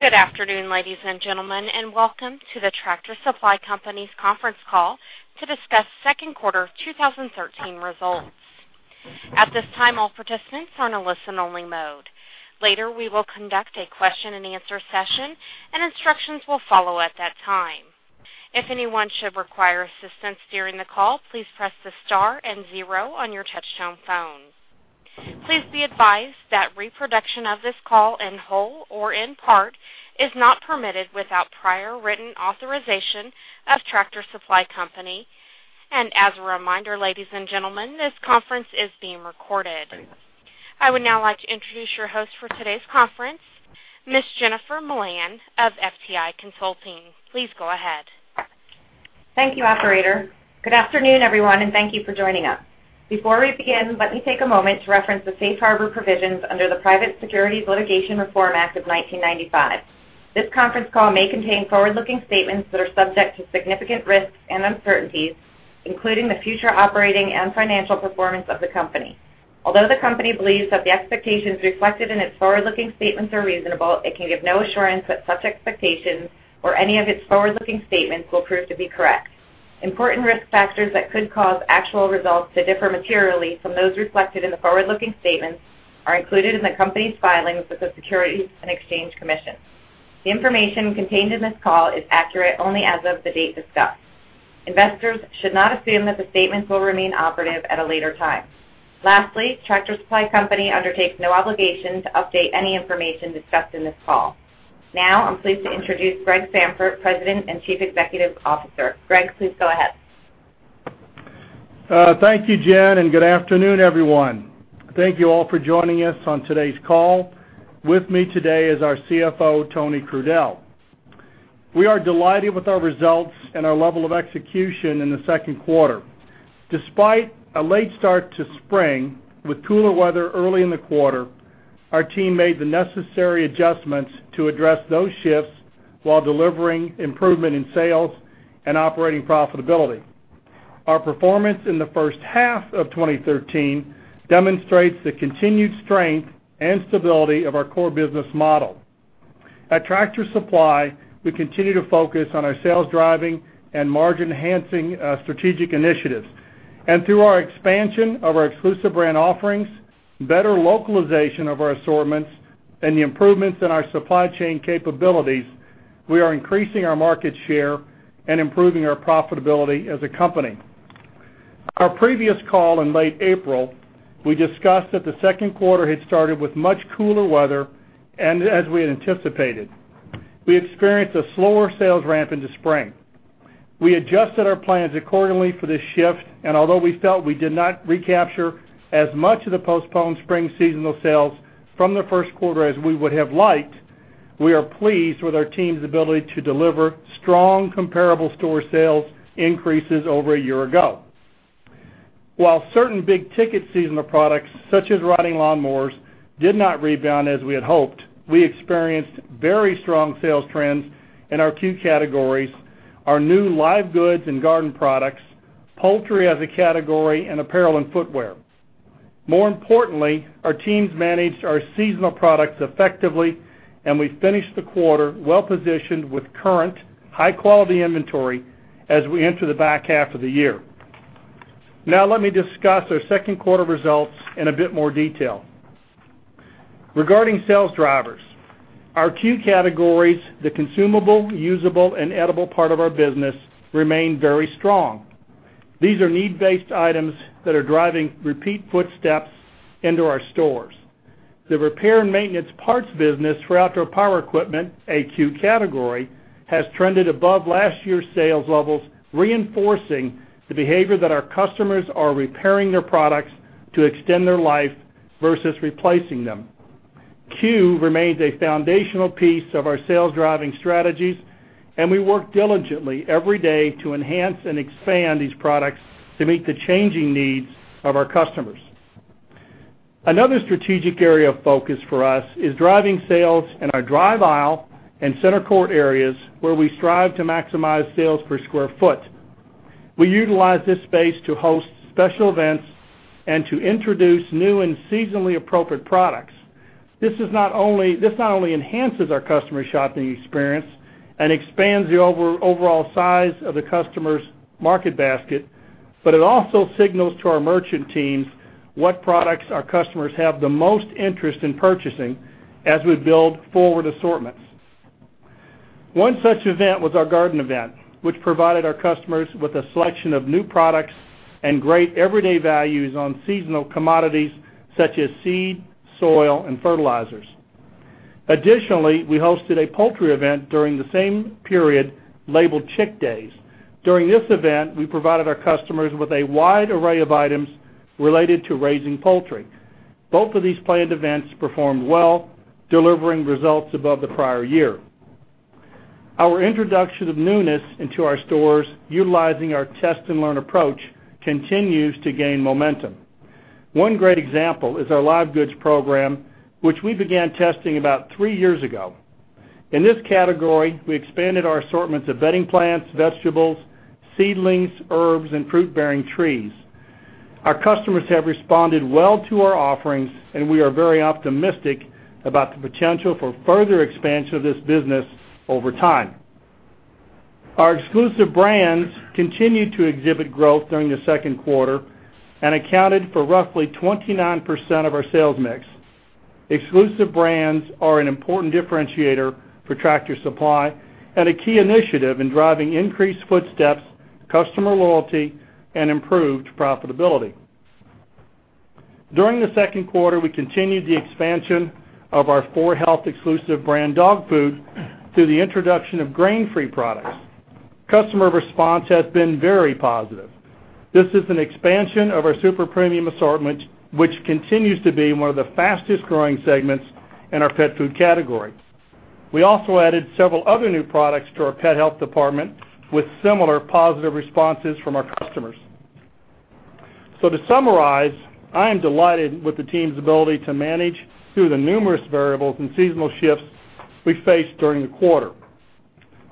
Good afternoon, ladies and gentlemen, welcome to the Tractor Supply Company's conference call to discuss second quarter 2013 results. At this time, all participants are in a listen-only mode. Later, we will conduct a question-and-answer session, and instructions will follow at that time. If anyone should require assistance during the call, please press the star and zero on your touch-tone phone. Please be advised that reproduction of this call in whole or in part is not permitted without prior written authorization of Tractor Supply Company. As a reminder, ladies and gentlemen, this conference is being recorded. I would now like to introduce your host for today's conference, Ms. Jennifer Milan of FTI Consulting. Please go ahead. Thank you, operator. Good afternoon, everyone, thank you for joining us. Before we begin, let me take a moment to reference the safe harbor provisions under the Private Securities Litigation Reform Act of 1995. This conference call may contain forward-looking statements that are subject to significant risks and uncertainties, including the future operating and financial performance of the company. Although the company believes that the expectations reflected in its forward-looking statements are reasonable, it can give no assurance that such expectations or any of its forward-looking statements will prove to be correct. Important risk factors that could cause actual results to differ materially from those reflected in the forward-looking statements are included in the company's filings with the Securities and Exchange Commission. The information contained in this call is accurate only as of the date discussed. Investors should not assume that the statements will remain operative at a later time. Lastly, Tractor Supply Company undertakes no obligation to update any information discussed in this call. Now, I'm pleased to introduce Greg Sandfort, President and Chief Executive Officer. Greg, please go ahead. Thank you, Jen, good afternoon, everyone. Thank you all for joining us on today's call. With me today is our CFO, Tony Crudele. We are delighted with our results and our level of execution in the second quarter. Despite a late start to spring with cooler weather early in the quarter, our team made the necessary adjustments to address those shifts while delivering improvement in sales and operating profitability. Our performance in the first half of 2013 demonstrates the continued strength and stability of our core business model. At Tractor Supply, we continue to focus on our sales-driving and margin-enhancing strategic initiatives. Through our expansion of our exclusive brand offerings, better localization of our assortments, and the improvements in our supply chain capabilities, we are increasing our market share and improving our profitability as a company. Our previous call in late April, we discussed that the second quarter had started with much cooler weather. As we had anticipated, we experienced a slower sales ramp into spring. We adjusted our plans accordingly for this shift. Although we felt we did not recapture as much of the postponed spring seasonal sales from the first quarter as we would have liked, we are pleased with our team's ability to deliver strong comp store sales increases over a year ago. While certain big-ticket seasonal products, such as riding lawn mowers, did not rebound as we had hoped, we experienced very strong sales trends in our C.U.E. categories, our new live goods and garden products, poultry as a category, and apparel and footwear. More importantly, our teams managed our seasonal products effectively. We finished the quarter well-positioned with current high-quality inventory as we enter the back half of the year. Now let me discuss our second quarter results in a bit more detail. Regarding sales drivers, our C.U.E. categories, the consumable, usable, and edible part of our business, remain very strong. These are need-based items that are driving repeat footsteps into our stores. The repair and maintenance parts business for outdoor power equipment, a C.U.E. category, has trended above last year's sales levels, reinforcing the behavior that our customers are repairing their products to extend their life versus replacing them. C.U.E. remains a foundational piece of our sales-driving strategies, and we work diligently every day to enhance and expand these products to meet the changing needs of our customers. Another strategic area of focus for us is driving sales in our drive aisle and center court areas, where we strive to maximize sales per square foot. We utilize this space to host special events and to introduce new and seasonally appropriate products. This not only enhances our customers' shopping experience and expands the overall size of the customer's market basket, it also signals to our merchant teams what products our customers have the most interest in purchasing as we build forward assortments. One such event was our garden event, which provided our customers with a selection of new products and great everyday values on seasonal commodities such as seed, soil, and fertilizers. Additionally, we hosted a poultry event during the same period labeled Chick Days. During this event, we provided our customers with a wide array of items related to raising poultry. Both of these planned events performed well, delivering results above the prior year. Our introduction of newness into our stores utilizing our test-and-learn approach continues to gain momentum. One great example is our live goods program, which we began testing about three years ago. In this category, we expanded our assortments of bedding plants, vegetables, seedlings, herbs, and fruit-bearing trees. Our customers have responded well to our offerings. We are very optimistic about the potential for further expansion of this business over time. Our exclusive brands continued to exhibit growth during the second quarter and accounted for roughly 29% of our sales mix. Exclusive brands are an important differentiator for Tractor Supply and a key initiative in driving increased footsteps, customer loyalty, and improved profitability. During the second quarter, we continued the expansion of our 4health exclusive brand dog food through the introduction of grain-free products. Customer response has been very positive. This is an expansion of our super premium assortment, which continues to be one of the fastest-growing segments in our pet food category. We also added several other new products to our pet health department with similar positive responses from our customers. To summarize, I am delighted with the team's ability to manage through the numerous variables and seasonal shifts we faced during the quarter.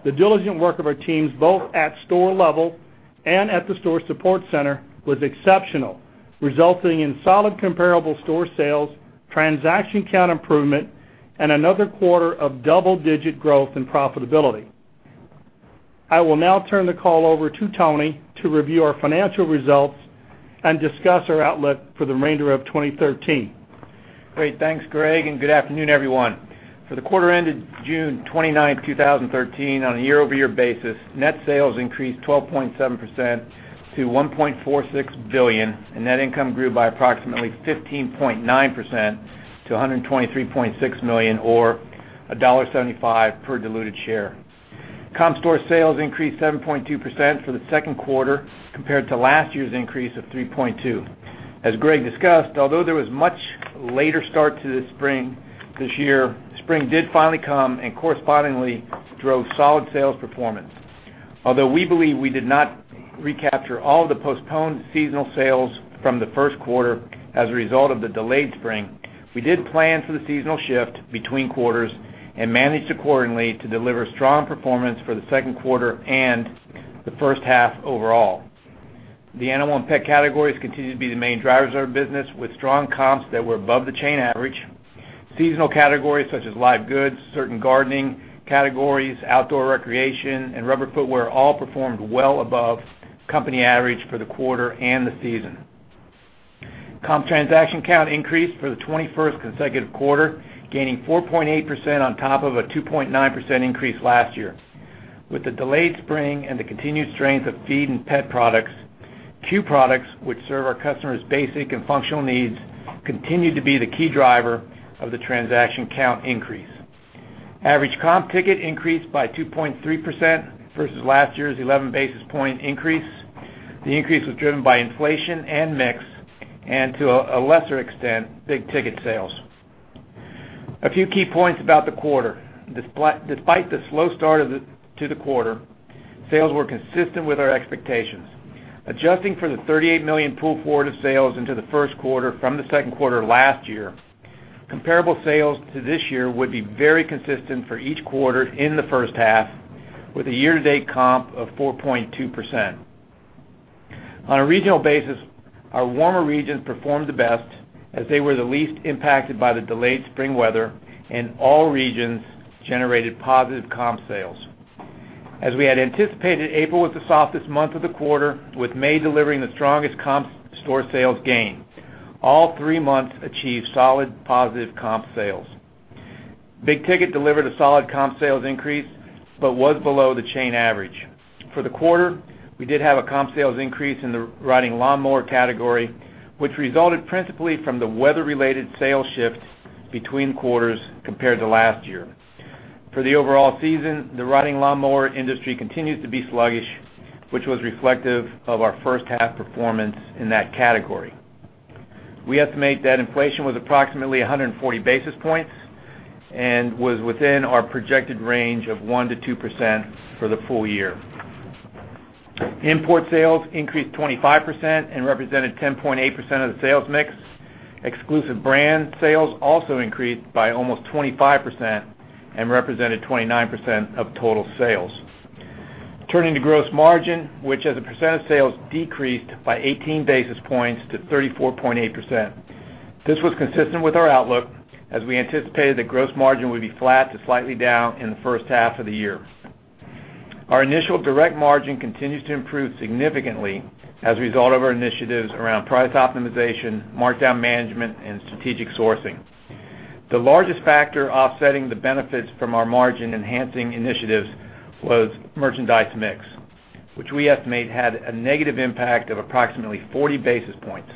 The diligent work of our teams, both at store level and at the store support center, was exceptional, resulting in solid comparable store sales, transaction count improvement, and another quarter of double-digit growth and profitability. I will now turn the call over to Tony to review our financial results and discuss our outlook for the remainder of 2013. Great. Thanks, Greg, and good afternoon, everyone. For the quarter ended June 29, 2013, on a year-over-year basis, net sales increased 12.7% to $1.46 billion, and net income grew by approximately 15.9% to $123.6 million or $1.75 per diluted share. Comp store sales increased 7.2% for the second quarter compared to last year's increase of 3.2%. As Greg discussed, although there was a much later start to the spring this year, spring did finally come and correspondingly drove solid sales performance. Although we believe we did not recapture all the postponed seasonal sales from the first quarter as a result of the delayed spring, we did plan for the seasonal shift between quarters and managed accordingly to deliver strong performance for the second quarter and the first half overall. The animal and pet categories continue to be the main drivers of our business, with strong comps that were above the chain average. Seasonal categories such as live goods, certain gardening categories, outdoor recreation, and rubber footwear all performed well above company average for the quarter and the season. Comp transaction count increased for the 21st consecutive quarter, gaining 4.8% on top of a 2.9% increase last year. With the delayed spring and the continued strength of feed and pet products, C.U.E. products, which serve our customers' basic and functional needs, continued to be the key driver of the transaction count increase. Average comp ticket increased by 2.3% versus last year's 11-basis point increase. The increase was driven by inflation and mix, and to a lesser extent, big-ticket sales. A few key points about the quarter. Despite the slow start to the quarter, sales were consistent with our expectations. Adjusting for the $38 million pool forward of sales into the first quarter from the second quarter last year, comparable sales to this year would be very consistent for each quarter in the first half, with a year-to-date comp of 4.2%. On a regional basis, our warmer regions performed the best, as they were the least impacted by the delayed spring weather, and all regions generated positive comp sales. As we had anticipated, April was the softest month of the quarter, with May delivering the strongest comp store sales gain. All three months achieved solid positive comp sales. Big Ticket delivered a solid comp sales increase but was below the chain average. For the quarter, we did have a comp sales increase in the riding lawnmower category, which resulted principally from the weather-related sales shifts between quarters compared to last year. For the overall season, the riding lawnmower industry continues to be sluggish, which was reflective of our first half performance in that category. We estimate that inflation was approximately 140 basis points and was within our projected range of 1%-2% for the full year. Import sales increased 25% and represented 10.8% of the sales mix. Exclusive brand sales also increased by almost 25% and represented 29% of total sales. Turning to gross margin, which as a percent of sales decreased by 18 basis points to 34.8%. This was consistent with our outlook, as we anticipated that gross margin would be flat to slightly down in the first half of the year. Our initial direct margin continues to improve significantly as a result of our initiatives around price optimization, markdown management, and strategic sourcing. The largest factor offsetting the benefits from our margin-enhancing initiatives was merchandise mix, which we estimate had a negative impact of approximately 40 basis points.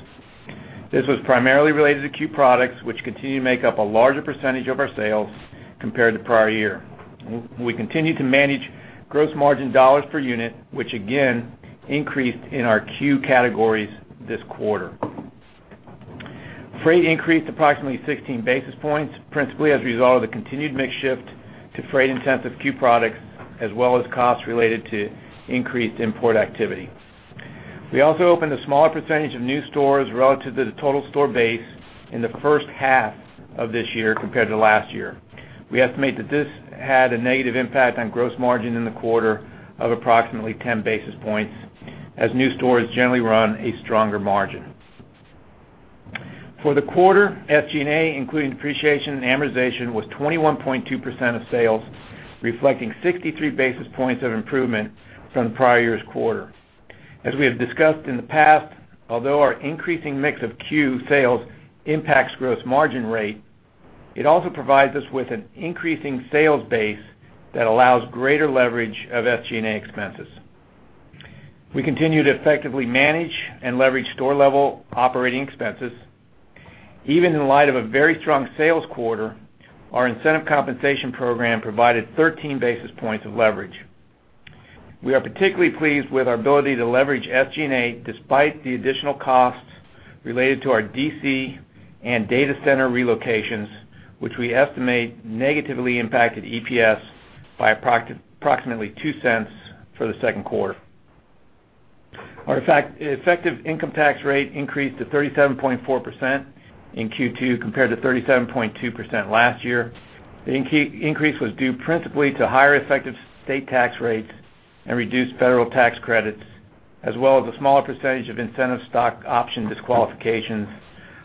This was primarily related to C.U.E. products, which continue to make up a larger percentage of our sales compared to prior year. We continue to manage gross margin dollars per unit, which again increased in our C.U.E. Categories this quarter. Freight increased approximately 16 basis points, principally as a result of the continued mix shift to freight-intensive C.U.E. products, as well as costs related to increased import activity. We also opened a smaller percentage of new stores relative to the total store base in the first half of this year compared to last year. We estimate that this had a negative impact on gross margin in the quarter of approximately 10 basis points, as new stores generally run a stronger margin. For the quarter, SG&A, including depreciation and amortization, was 21.2% of sales, reflecting 63 basis points of improvement from prior year's quarter. As we have discussed in the past, although our increasing mix of C.U.E. sales impacts gross margin rate, it also provides us with an increasing sales base that allows greater leverage of SG&A expenses. We continue to effectively manage and leverage store-level operating expenses. Even in light of a very strong sales quarter, our incentive compensation program provided 13 basis points of leverage. We are particularly pleased with our ability to leverage SG&A despite the additional costs related to our DC and data center relocations, which we estimate negatively impacted EPS by approximately $0.02 for the second quarter. Our effective income tax rate increased to 37.4% in Q2 compared to 37.2% last year. The increase was due principally to higher effective state tax rates and reduced federal tax credits, as well as a smaller percentage of incentive stock option disqualifications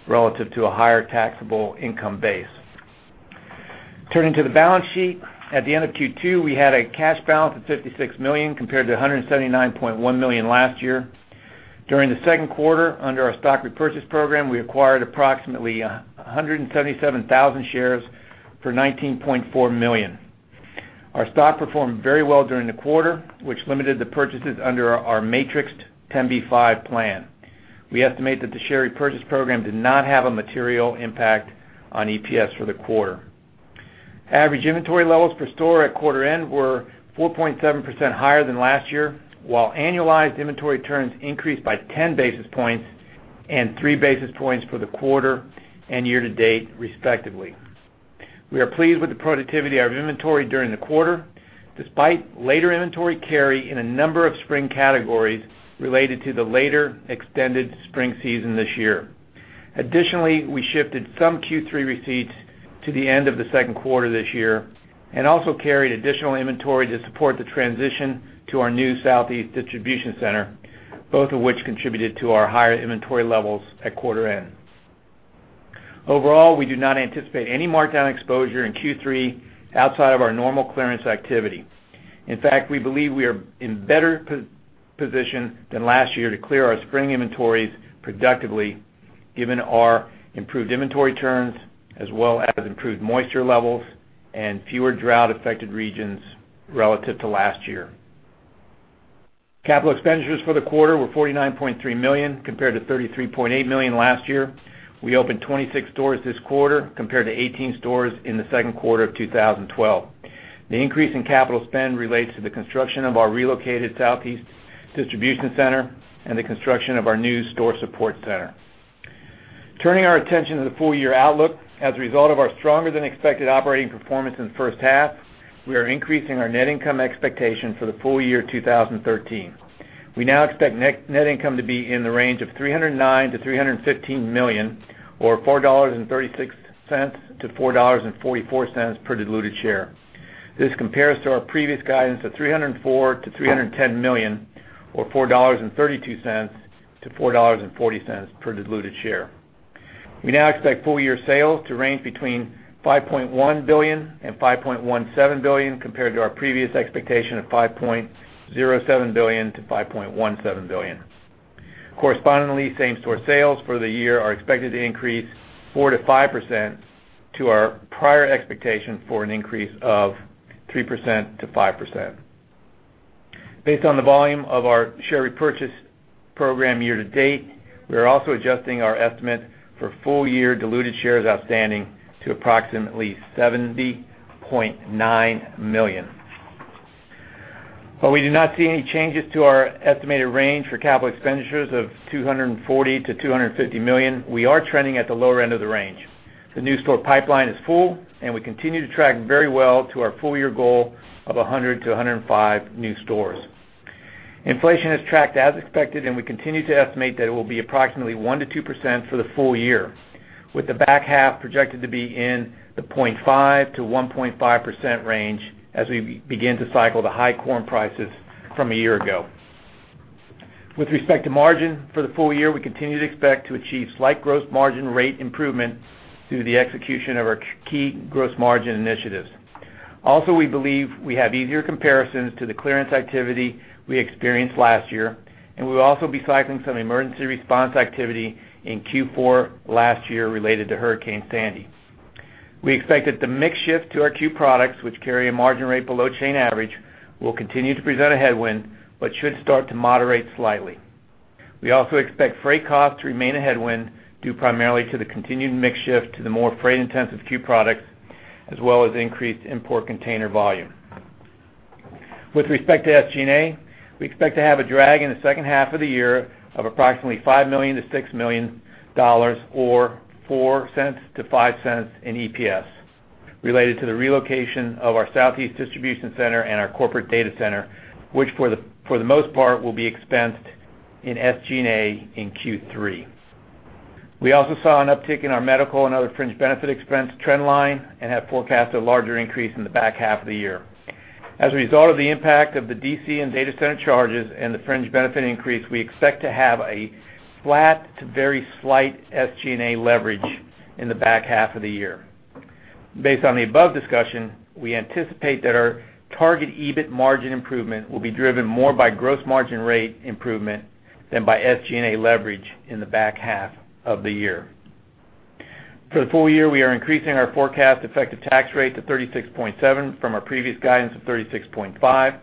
relative to a higher taxable income base. Turning to the balance sheet. At the end of Q2, we had a cash balance of $56 million compared to $179.1 million last year. During the second quarter, under our stock repurchase program, we acquired approximately 177,000 shares for $19.4 million. Our stock performed very well during the quarter, which limited the purchases under our matrixed 10b5-1 plan. We estimate that the share repurchase program did not have a material impact on EPS for the quarter. Average inventory levels per store at quarter end were 4.7% higher than last year, while annualized inventory turns increased by 10 basis points and 3 basis points for the quarter and year to date, respectively. We are pleased with the productivity of our inventory during the quarter, despite later inventory carry in a number of spring categories related to the later extended spring season this year. Additionally, we shifted some Q3 receipts to the end of the second quarter this year and also carried additional inventory to support the transition to our new Southeast distribution center, both of which contributed to our higher inventory levels at quarter end. Overall, we do not anticipate any markdown exposure in Q3 outside of our normal clearance activity. In fact, we believe we are in better position than last year to clear our spring inventories productively given our improved inventory turns, as well as improved moisture levels and fewer drought-affected regions relative to last year. Capital expenditures for the quarter were $49.3 million, compared to $33.8 million last year. We opened 26 stores this quarter, compared to 18 stores in the second quarter of 2012. The increase in capital spend relates to the construction of our relocated Southeast distribution center and the construction of our new store support center. Turning our attention to the full-year outlook, as a result of our stronger-than-expected operating performance in the first half, we are increasing our net income expectation for the full year 2013. We now expect net income to be in the range of $309 million-$315 million, or $4.36-$4.44 per diluted share. This compares to our previous guidance of $304 million-$310 million, or $4.32-$4.40 per diluted share. We now expect full-year sales to range between $5.1 billion and $5.17 billion, compared to our previous expectation of $5.07 billion-$5.17 billion. Correspondingly, same-store sales for the year are expected to increase 4%-5% to our prior expectation for an increase of 3%-5%. Based on the volume of our share repurchase program year to date, we are also adjusting our estimate for full-year diluted shares outstanding to approximately 70.9 million. While we do not see any changes to our estimated range for capital expenditures of $240 million-$250 million, we are trending at the lower end of the range. The new store pipeline is full, and we continue to track very well to our full-year goal of 100-105 new stores. Inflation has tracked as expected, we continue to estimate that it will be approximately 1%-2% for the full year, with the back half projected to be in the 0.5%-1.5% range as we begin to cycle the high corn prices from a year ago. With respect to margin for the full year, we continue to expect to achieve slight gross margin rate improvement through the execution of our key gross margin initiatives. We believe we have easier comparisons to the clearance activity we experienced last year, we will also be cycling some emergency response activity in Q4 last year related to Hurricane Sandy. We expect that the mix shift to our Q products, which carry a margin rate below chain average, will continue to present a headwind but should start to moderate slightly. We also expect freight costs to remain a headwind due primarily to the continued mix shift to the more freight-intensive C.U.E. products as well as increased import container volume. With respect to SG&A, we expect to have a drag in the second half of the year of approximately $5 million-$6 million, or $0.04-$0.05 in EPS. Related to the relocation of our Southeastern distribution center and our corporate data center, which for the most part will be expensed in SG&A in Q3. We also saw an uptick in our medical and other fringe benefit expense trend line and have forecasted a larger increase in the back half of the year. As a result of the impact of the DC and data center charges and the fringe benefit increase, we expect to have a flat to very slight SG&A leverage in the back half of the year. Based on the above discussion, we anticipate that our target EBIT margin improvement will be driven more by gross margin rate improvement than by SG&A leverage in the back half of the year. For the full year, we are increasing our forecast effective tax rate to 36.7% from our previous guidance of 36.5%.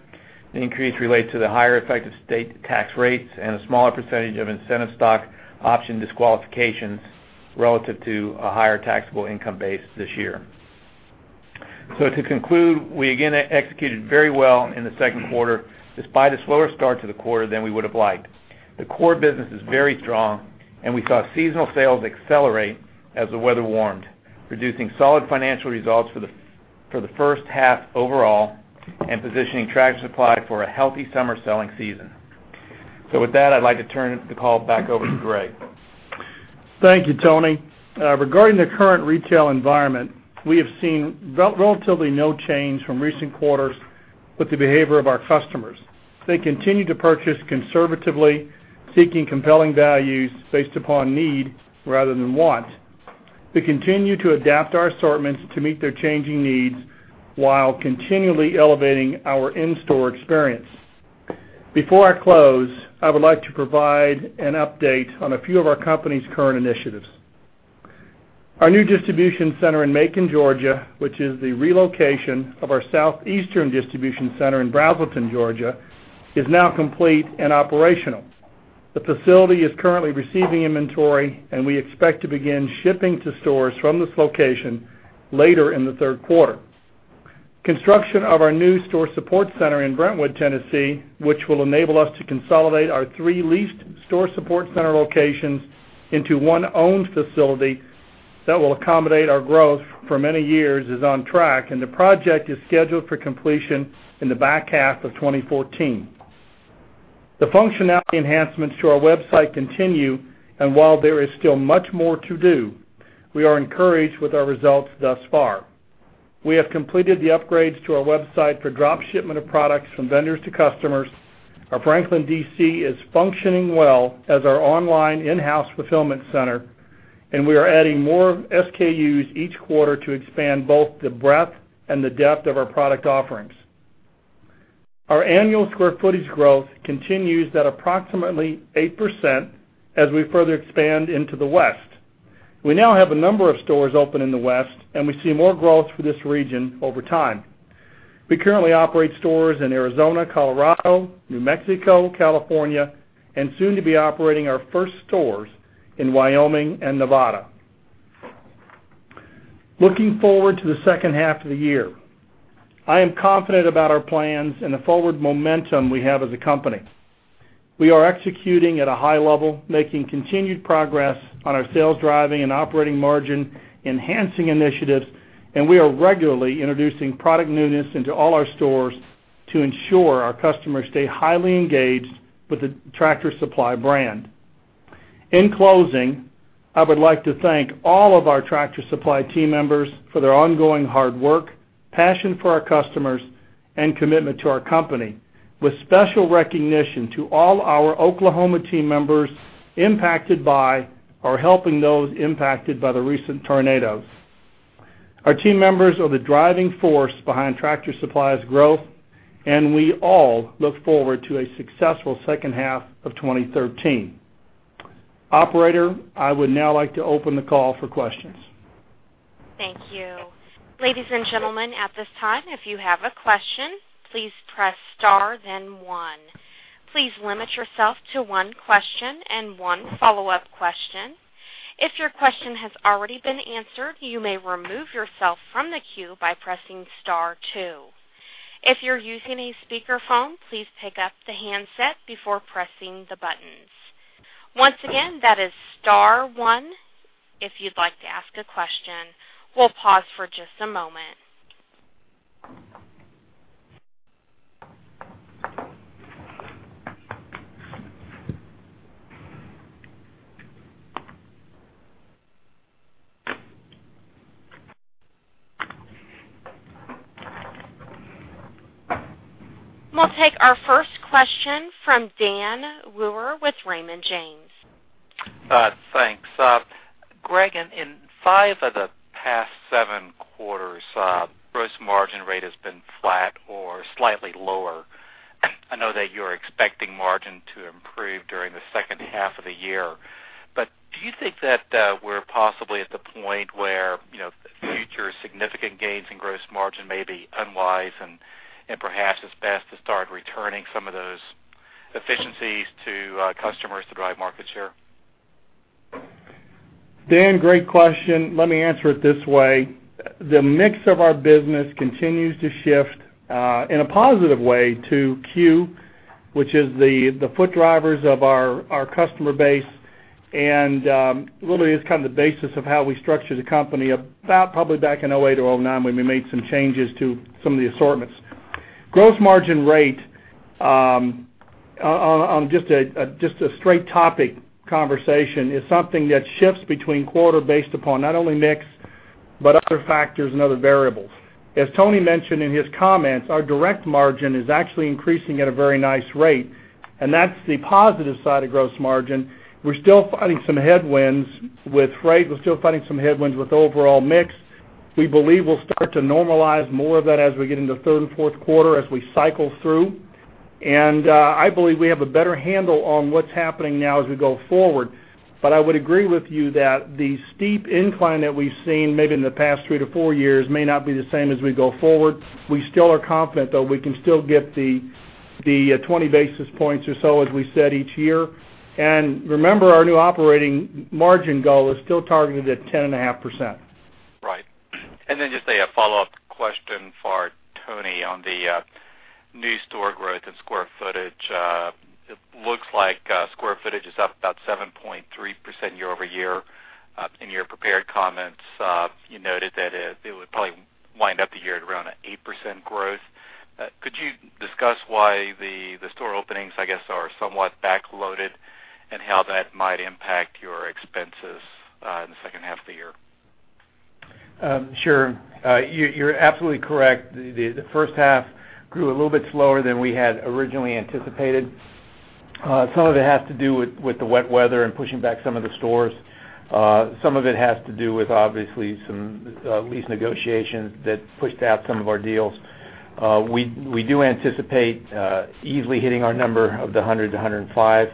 The increase relates to the higher effective state tax rates and a smaller percentage of incentive stock option disqualifications relative to a higher taxable income base this year. To conclude, we again executed very well in the second quarter despite a slower start to the quarter than we would have liked. The core business is very strong, and we saw seasonal sales accelerate as the weather warmed, producing solid financial results for the first half overall and positioning Tractor Supply for a healthy summer selling season. With that, I'd like to turn the call back over to Greg. Thank you, Tony. Regarding the current retail environment, we have seen relatively no change from recent quarters with the behavior of our customers. They continue to purchase conservatively, seeking compelling values based upon need rather than want. We continue to adapt our assortments to meet their changing needs while continually elevating our in-store experience. Before I close, I would like to provide an update on a few of our company's current initiatives. Our new distribution center in Macon, Georgia, which is the relocation of our Southeastern distribution center in Braselton, Georgia, is now complete and operational. The facility is currently receiving inventory, and we expect to begin shipping to stores from this location later in the third quarter. Construction of our new store support center in Brentwood, Tennessee, which will enable us to consolidate our three leased store support center locations into one owned facility that will accommodate our growth for many years, is on track, and the project is scheduled for completion in the back half of 2014. The functionality enhancements to our website continue, and while there is still much more to do, we are encouraged with our results thus far. We have completed the upgrades to our website for drop shipment of products from vendors to customers. Our Franklin DC is functioning well as our online in-house fulfillment center, and we are adding more SKUs each quarter to expand both the breadth and the depth of our product offerings. Our annual square footage growth continues at approximately 8% as we further expand into the West. We now have a number of stores open in the West, and we see more growth for this region over time. We currently operate stores in Arizona, Colorado, New Mexico, California, and soon to be operating our first stores in Wyoming and Nevada. Looking forward to the second half of the year, I am confident about our plans and the forward momentum we have as a company. We are executing at a high level, making continued progress on our sales driving and operating margin enhancing initiatives, and we are regularly introducing product newness into all our stores to ensure our customers stay highly engaged with the Tractor Supply brand. In closing, I would like to thank all of our Tractor Supply team members for their ongoing hard work, passion for our customers, and commitment to our company, with special recognition to all our Oklahoma team members impacted by or helping those impacted by the recent tornadoes. Our team members are the driving force behind Tractor Supply's growth, and we all look forward to a successful second half of 2013. Operator, I would now like to open the call for questions. Thank you. Ladies and gentlemen, at this time, if you have a question, please press star then one. Please limit yourself to one question and one follow-up question. If your question has already been answered, you may remove yourself from the queue by pressing star two. If you're using a speakerphone, please pick up the handset before pressing the buttons. Once again, that is star one if you'd like to ask a question. We'll pause for just a moment. We'll take our first question from Dan Wewer with Raymond James. Thanks. Greg, in five of the past seven quarters, gross margin rate has been flat or slightly lower. I know that you're expecting margin to improve during the second half of the year. Do you think that we're possibly at the point where future significant gains in gross margin may be unwise and perhaps it's best to start returning some of those efficiencies to customers to drive market share? Dan, great question. Let me answer it this way. The mix of our business continues to shift in a positive way to C.U.E., which is the key drivers of our customer base. Really, it's kind of the basis of how we structured the company about probably back in 2008 or 2009 when we made some changes to some of the assortments. Gross margin rate, on just a straight topic conversation, is something that shifts between quarter based upon not only mix, but other factors and other variables. As Tony mentioned in his comments, our direct margin is actually increasing at a very nice rate, and that's the positive side of gross margin. We're still fighting some headwinds with rate. We're still fighting some headwinds with overall mix. We believe we'll start to normalize more of that as we get into third and fourth quarter, as we cycle through. I believe we have a better handle on what's happening now as we go forward. I would agree with you that the steep incline that we've seen maybe in the past three to four years may not be the same as we go forward. We still are confident, though, we can still get the 20 basis points or so, as we said, each year. Remember, our new operating margin goal is still targeted at 10.5%. Right. Just a follow-up question for Tony on the new store growth and square footage. It looks like square footage is up about 7.3% year-over-year. In your prepared comments, you noted that it would probably wind up the year at around an 8% growth. Could you discuss why the store openings, I guess, are somewhat backloaded, and how that might impact your expenses in the second half of the year? Sure. You're absolutely correct. The first half grew a little bit slower than we had originally anticipated. Some of it has to do with the wet weather and pushing back some of the stores. Some of it has to do with, obviously, some lease negotiations that pushed out some of our deals. We do anticipate easily hitting our number of the 100-105,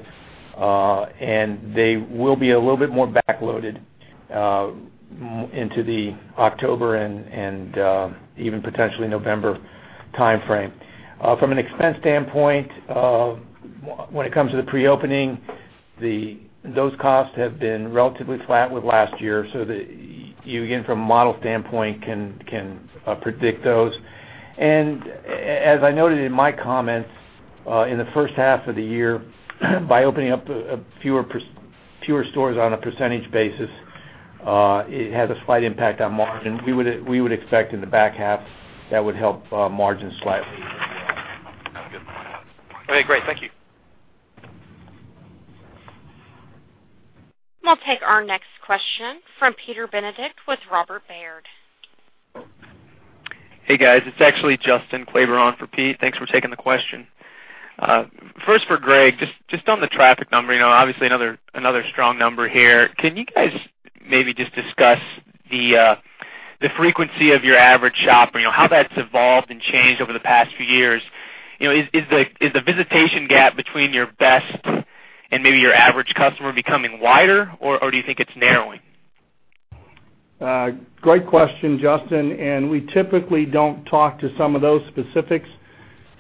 and they will be a little bit more backloaded into the October and even potentially November timeframe. From an expense standpoint, when it comes to the pre-opening, those costs have been relatively flat with last year, so that you, again, from a model standpoint, can predict those. As I noted in my comments, in the first half of the year, by opening up fewer stores on a percentage basis, it has a slight impact on margin. We would expect in the back half, that would help margin slightly. Okay, great. Thank you. We'll take our next question from Peter Benedict with Robert W. Baird. Hey, guys. It's actually Justin Kleber for Pete. Thanks for taking the question. First for Greg, just on the traffic number, obviously another strong number here. Can you guys maybe just discuss the frequency of your average shopper, how that's evolved and changed over the past few years? Is the visitation gap between your best and maybe your average customer becoming wider, or do you think it's narrowing? Great question, Justin. We typically don't talk to some of those specifics.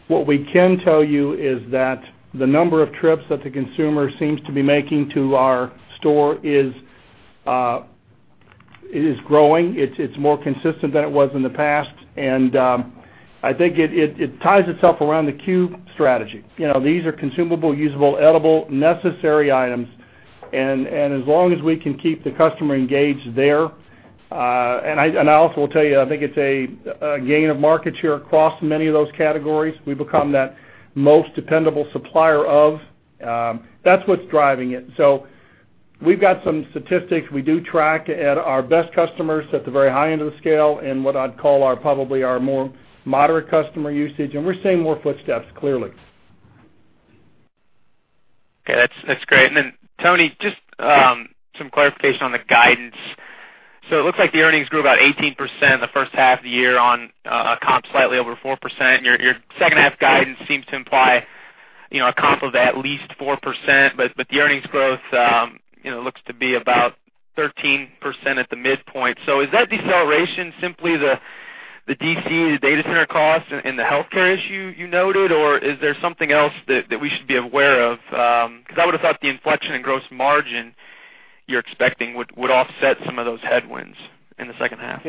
What we can tell you is that the number of trips that the consumer seems to be making to our store is growing. It's more consistent than it was in the past. I think it ties itself around the C.U.E. strategy. These are consumable, usable, edible, necessary items. As long as we can keep the customer engaged there, I also will tell you, I think it's a gain of market share across many of those categories. We've become that most dependable supplier of. That's what's driving it. We've got some statistics. We do track at our best customers at the very high end of the scale and what I'd call probably our more moderate customer usage, and we're seeing more footsteps, clearly. Okay, that's great. Tony, just some clarification on the guidance. It looks like the earnings grew about 18% in the first half of the year on a comp slightly over 4%. Your second half guidance seems to imply a comp of at least 4%, but the earnings growth looks to be about 13% at the midpoint. Is that deceleration simply the DC, the data center cost, and the healthcare issue you noted, or is there something else that we should be aware of? Because I would have thought the inflection in gross margin you're expecting would offset some of those headwinds in the second half.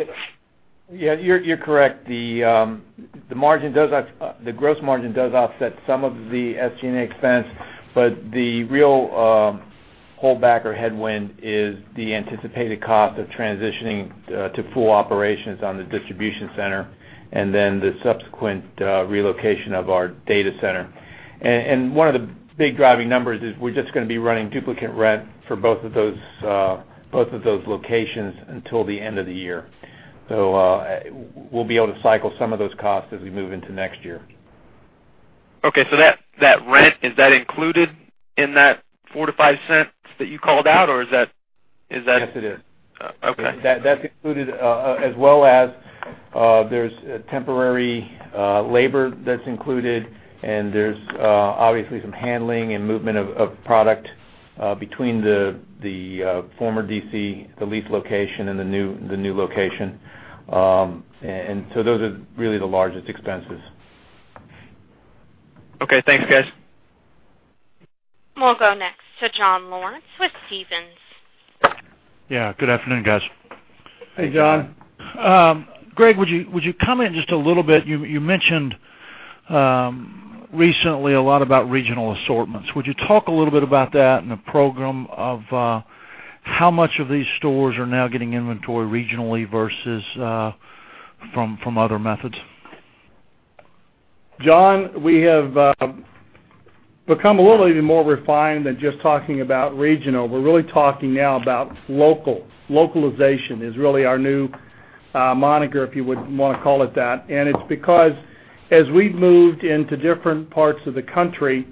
Yeah, you're correct. The gross margin does offset some of the SG&A expense. The real holdback or headwind is the anticipated cost of transitioning to full operations on the distribution center and then the subsequent relocation of our data center. One of the big driving numbers is we're just going to be running duplicate rent for both of those locations until the end of the year. We'll be able to cycle some of those costs as we move into next year. Okay, that rent, is that included in that $0.04-$0.05 that you called out, or is that? Yes, it is. Okay. That's included, as well as there's temporary labor that's included, and there's obviously some handling and movement of product between the former DC, the lease location, and the new location. Those are really the largest expenses. Okay, thanks, guys. We'll go next to John Lawrence with Stephens. Yeah. Good afternoon, guys. Hey, John. Greg, would you comment just a little bit, you mentioned recently a lot about regional assortments? Would you talk a little bit about that and the program of how much of these stores are now getting inventory regionally versus from other methods? John, we have become a little even more refined than just talking about regional. We're really talking now about local. Localization is really our new moniker, if you would want to call it that. It's because as we've moved into different parts of the country,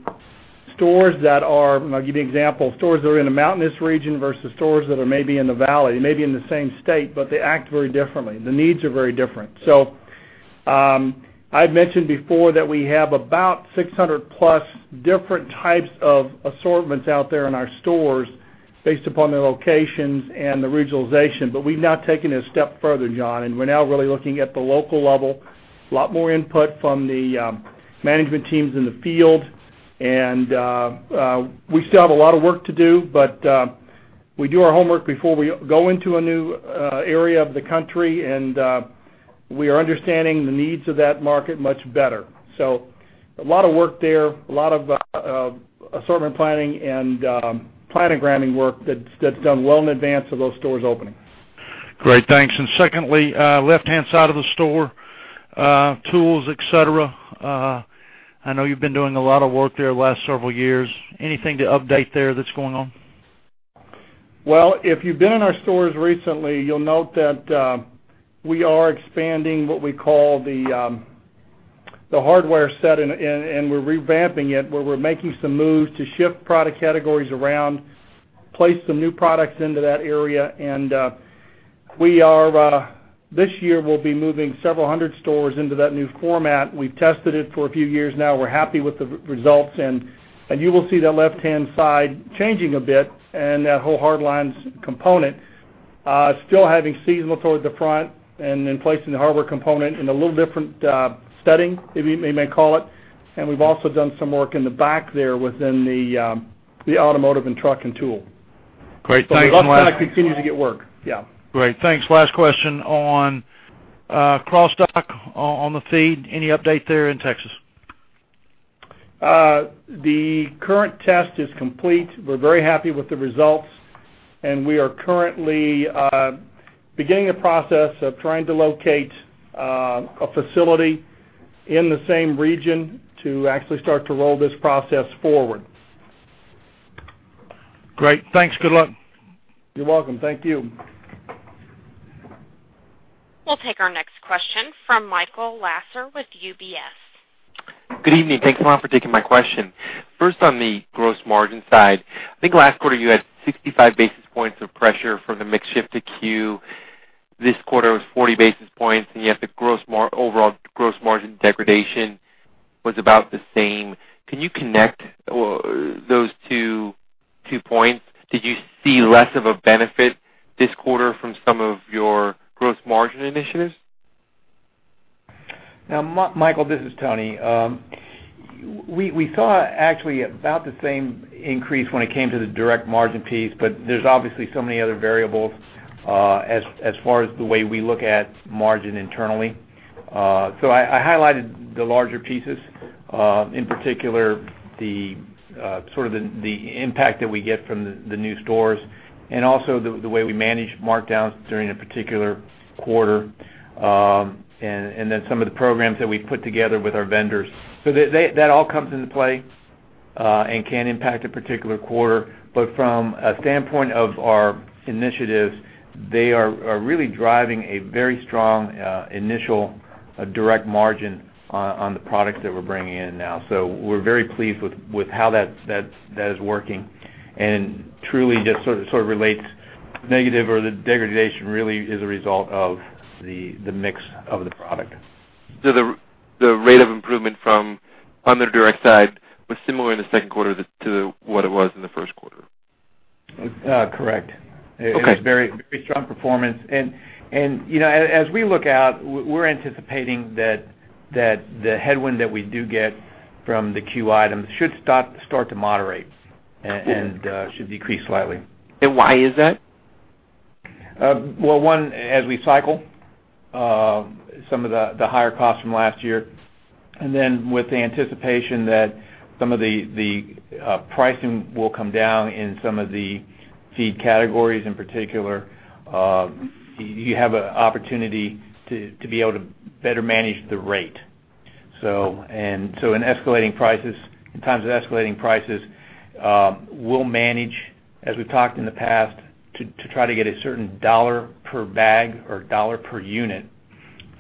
stores that are, and I'll give you an example, stores that are in a mountainous region versus stores that are maybe in the valley. They may be in the same state, but they act very differently. The needs are very different. I had mentioned before that we have about 600-plus different types of assortments out there in our stores based upon the locations and the regionalization. We've now taken it a step further, John, and we're now really looking at the local level. A lot more input from the management teams in the field. We still have a lot of work to do, but we do our homework before we go into a new area of the country, and we are understanding the needs of that market much better. A lot of work there. A lot of assortment planning and planogramming work that's done well in advance of those stores opening. Great. Thanks. Secondly, left-hand side of the store, tools, et cetera. I know you've been doing a lot of work there the last several years. Anything to update there that's going on? Well, if you've been in our stores recently, you'll note that we are expanding what we call the hardware set, and we're revamping it, where we're making some moves to shift product categories around, place some new products into that area. This year, we'll be moving several hundred stores into that new format. We've tested it for a few years now. We're happy with the results, and you will see the left-hand side changing a bit, and that whole hard lines component still having seasonal towards the front and then placing the hardware component in a little different setting, you may call it. We've also done some work in the back there within the automotive and truck and tool. Great. Thanks. We'll continue to get work. Yeah. Great. Thanks. Last question on cross-dock, on the feed. Any update there in Texas? The current test is complete. We're very happy with the results, we are currently beginning a process of trying to locate a facility in the same region to actually start to roll this process forward. Great. Thanks. Good luck. You're welcome. Thank you. We'll take our next question from Michael Lasser with UBS. Good evening. Thanks a lot for taking my question. First, on the gross margin side, I think last quarter you had 65 basis points of pressure from the mix shift to C.U.E. This quarter was 40 basis points, and yet the overall gross margin degradation was about the same. Can you connect those two points? Did you see less of a benefit this quarter from some of your gross margin initiatives? Michael, this is Tony. We saw actually about the same increase when it came to the direct margin piece, but there's obviously so many other variables as far as the way we look at margin internally. I highlighted the larger pieces, in particular, sort of the impact that we get from the new stores and also the way we manage markdowns during a particular quarter, and then some of the programs that we put together with our vendors. That all comes into play and can impact a particular quarter. From a standpoint of our initiatives, they are really driving a very strong initial direct margin on the products that we're bringing in now. We're very pleased with how that is working and truly just sort of relates negative or the degradation really is a result of the mix of the product. The rate of improvement from on the direct side was similar in the second quarter to what it was in the first quarter? Correct. Okay. It was very strong performance. As we look out, we're anticipating that the headwind that we do get from the C.U.E. items should start to moderate and should decrease slightly. Why is that? Well, one, as we cycle some of the higher costs from last year, with the anticipation that some of the pricing will come down in some of the feed categories in particular, you have an opportunity to be able to better manage the rate. In times of escalating prices, we'll manage, as we've talked in the past, to try to get a certain dollar per bag or dollar per unit.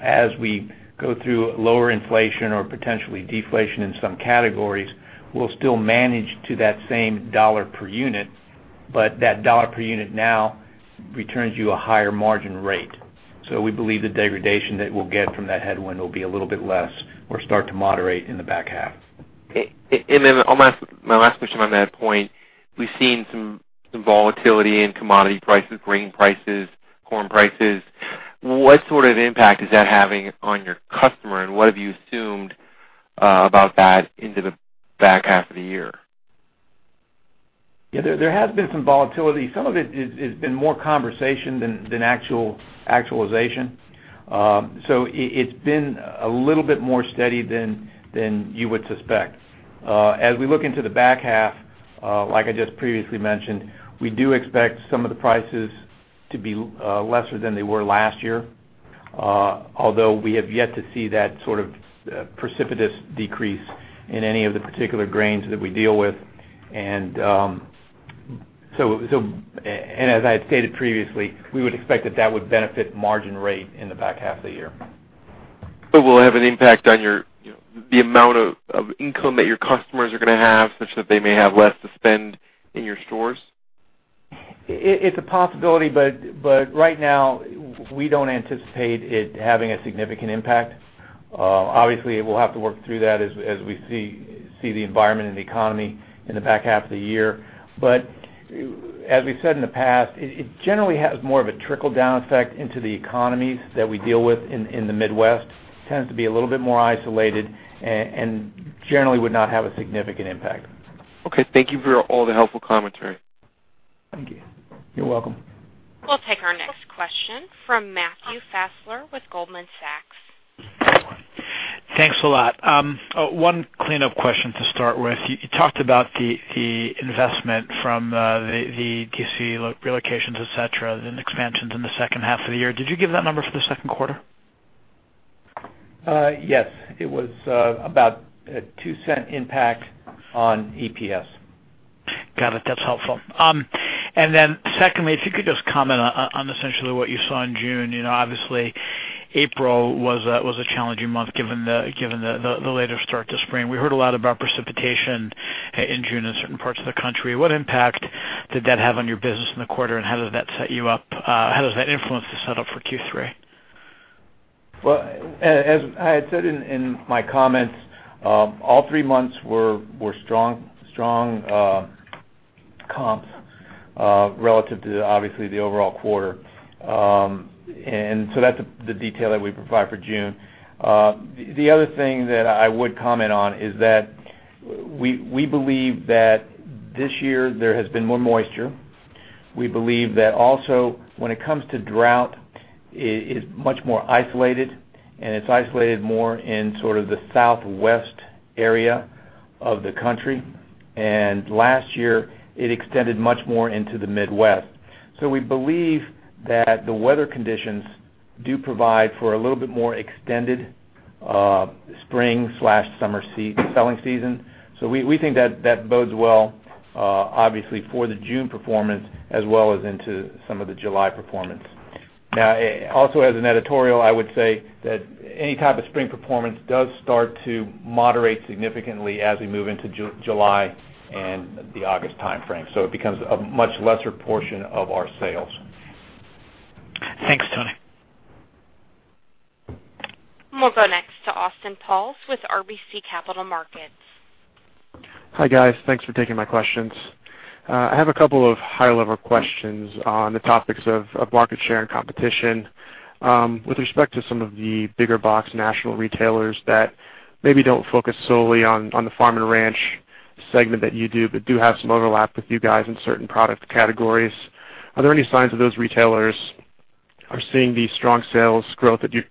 As we go through lower inflation or potentially deflation in some categories, we'll still manage to that same dollar per unit, but that dollar per unit now returns you a higher margin rate. We believe the degradation that we'll get from that headwind will be a little bit less or start to moderate in the back half. Okay. My last question on that point. We've seen some volatility in commodity prices, grain prices, corn prices. What sort of impact is that having on your customer, and what have you assumed about that into the back half of the year. Yeah, there has been some volatility. Some of it has been more conversation than actualization. It's been a little bit more steady than you would suspect. As we look into the back half, like I just previously mentioned, we do expect some of the prices to be lesser than they were last year, although we have yet to see that sort of precipitous decrease in any of the particular grains that we deal with. As I had stated previously, we would expect that that would benefit margin rate in the back half of the year. Will it have an impact on the amount of income that your customers are going to have, such that they may have less to spend in your stores? It's a possibility, right now, we don't anticipate it having a significant impact. Obviously, we'll have to work through that as we see the environment and the economy in the back half of the year. As we've said in the past, it generally has more of a trickle-down effect into the economies that we deal with in the Midwest. It tends to be a little bit more isolated and generally would not have a significant impact. Okay, thank you for all the helpful commentary. Thank you. You're welcome. We'll take our next question from Matthew Fassler with Goldman Sachs. Thanks a lot. One cleanup question to start with. You talked about the investment from the DC relocations, et cetera, and expansions in the second half of the year. Did you give that number for the second quarter? Yes. It was about a $0.02 impact on EPS. Got it. That's helpful. Secondly, if you could just comment on essentially what you saw in June. Obviously, April was a challenging month given the later start to spring. We heard a lot about precipitation in June in certain parts of the country. What impact did that have on your business in the quarter, and how does that influence the set-up for Q3? Well, as I had said in my comments, all three months were strong comps relative to, obviously, the overall quarter. That's the detail that we provide for June. The other thing that I would comment on is that we believe that this year there has been more moisture. We believe that also when it comes to drought, it's much more isolated, and it's isolated more in sort of the Southwest area of the country. Last year, it extended much more into the Midwest. We believe that the weather conditions do provide for a little bit more extended spring/summer selling season. We think that bodes well, obviously, for the June performance as well as into some of the July performance. Also as an editorial, I would say that any type of spring performance does start to moderate significantly as we move into July and the August timeframe. It becomes a much lesser portion of our sales. Thanks, Tony. We'll go next to Scot Ciccarelli with RBC Capital Markets. Hi, guys. Thanks for taking my questions. I have a couple of high-level questions on the topics of market share and competition. With respect to some of the bigger box national retailers that maybe don't focus solely on the farm and ranch segment that you do, but do have some overlap with you guys in certain product categories, are there any signs of those retailers are seeing the strong sales growth that you've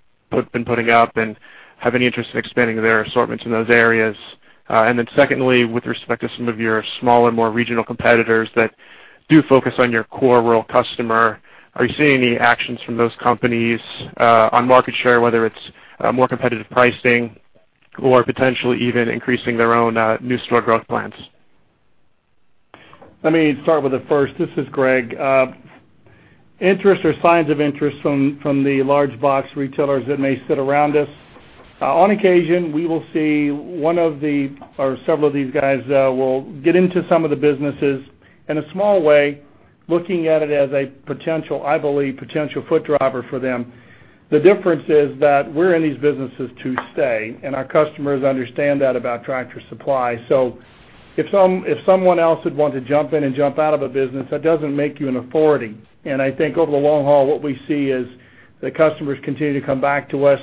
been putting up and have any interest in expanding their assortments in those areas? Secondly, with respect to some of your smaller, more regional competitors that do focus on your core rural customer, are you seeing any actions from those companies on market share, whether it's more competitive pricing or potentially even increasing their own new store growth plans? Let me start with the first. This is Greg. Interest or signs of interest from the large box retailers that may sit around us. On occasion, we will see one of the or several of these guys will get into some of the businesses in a small way, looking at it as, I believe, potential foot driver for them. The difference is that we're in these businesses to stay, and our customers understand that about Tractor Supply. If someone else would want to jump in and jump out of a business, that doesn't make you an authority. I think over the long haul, what we see is the customers continue to come back to us.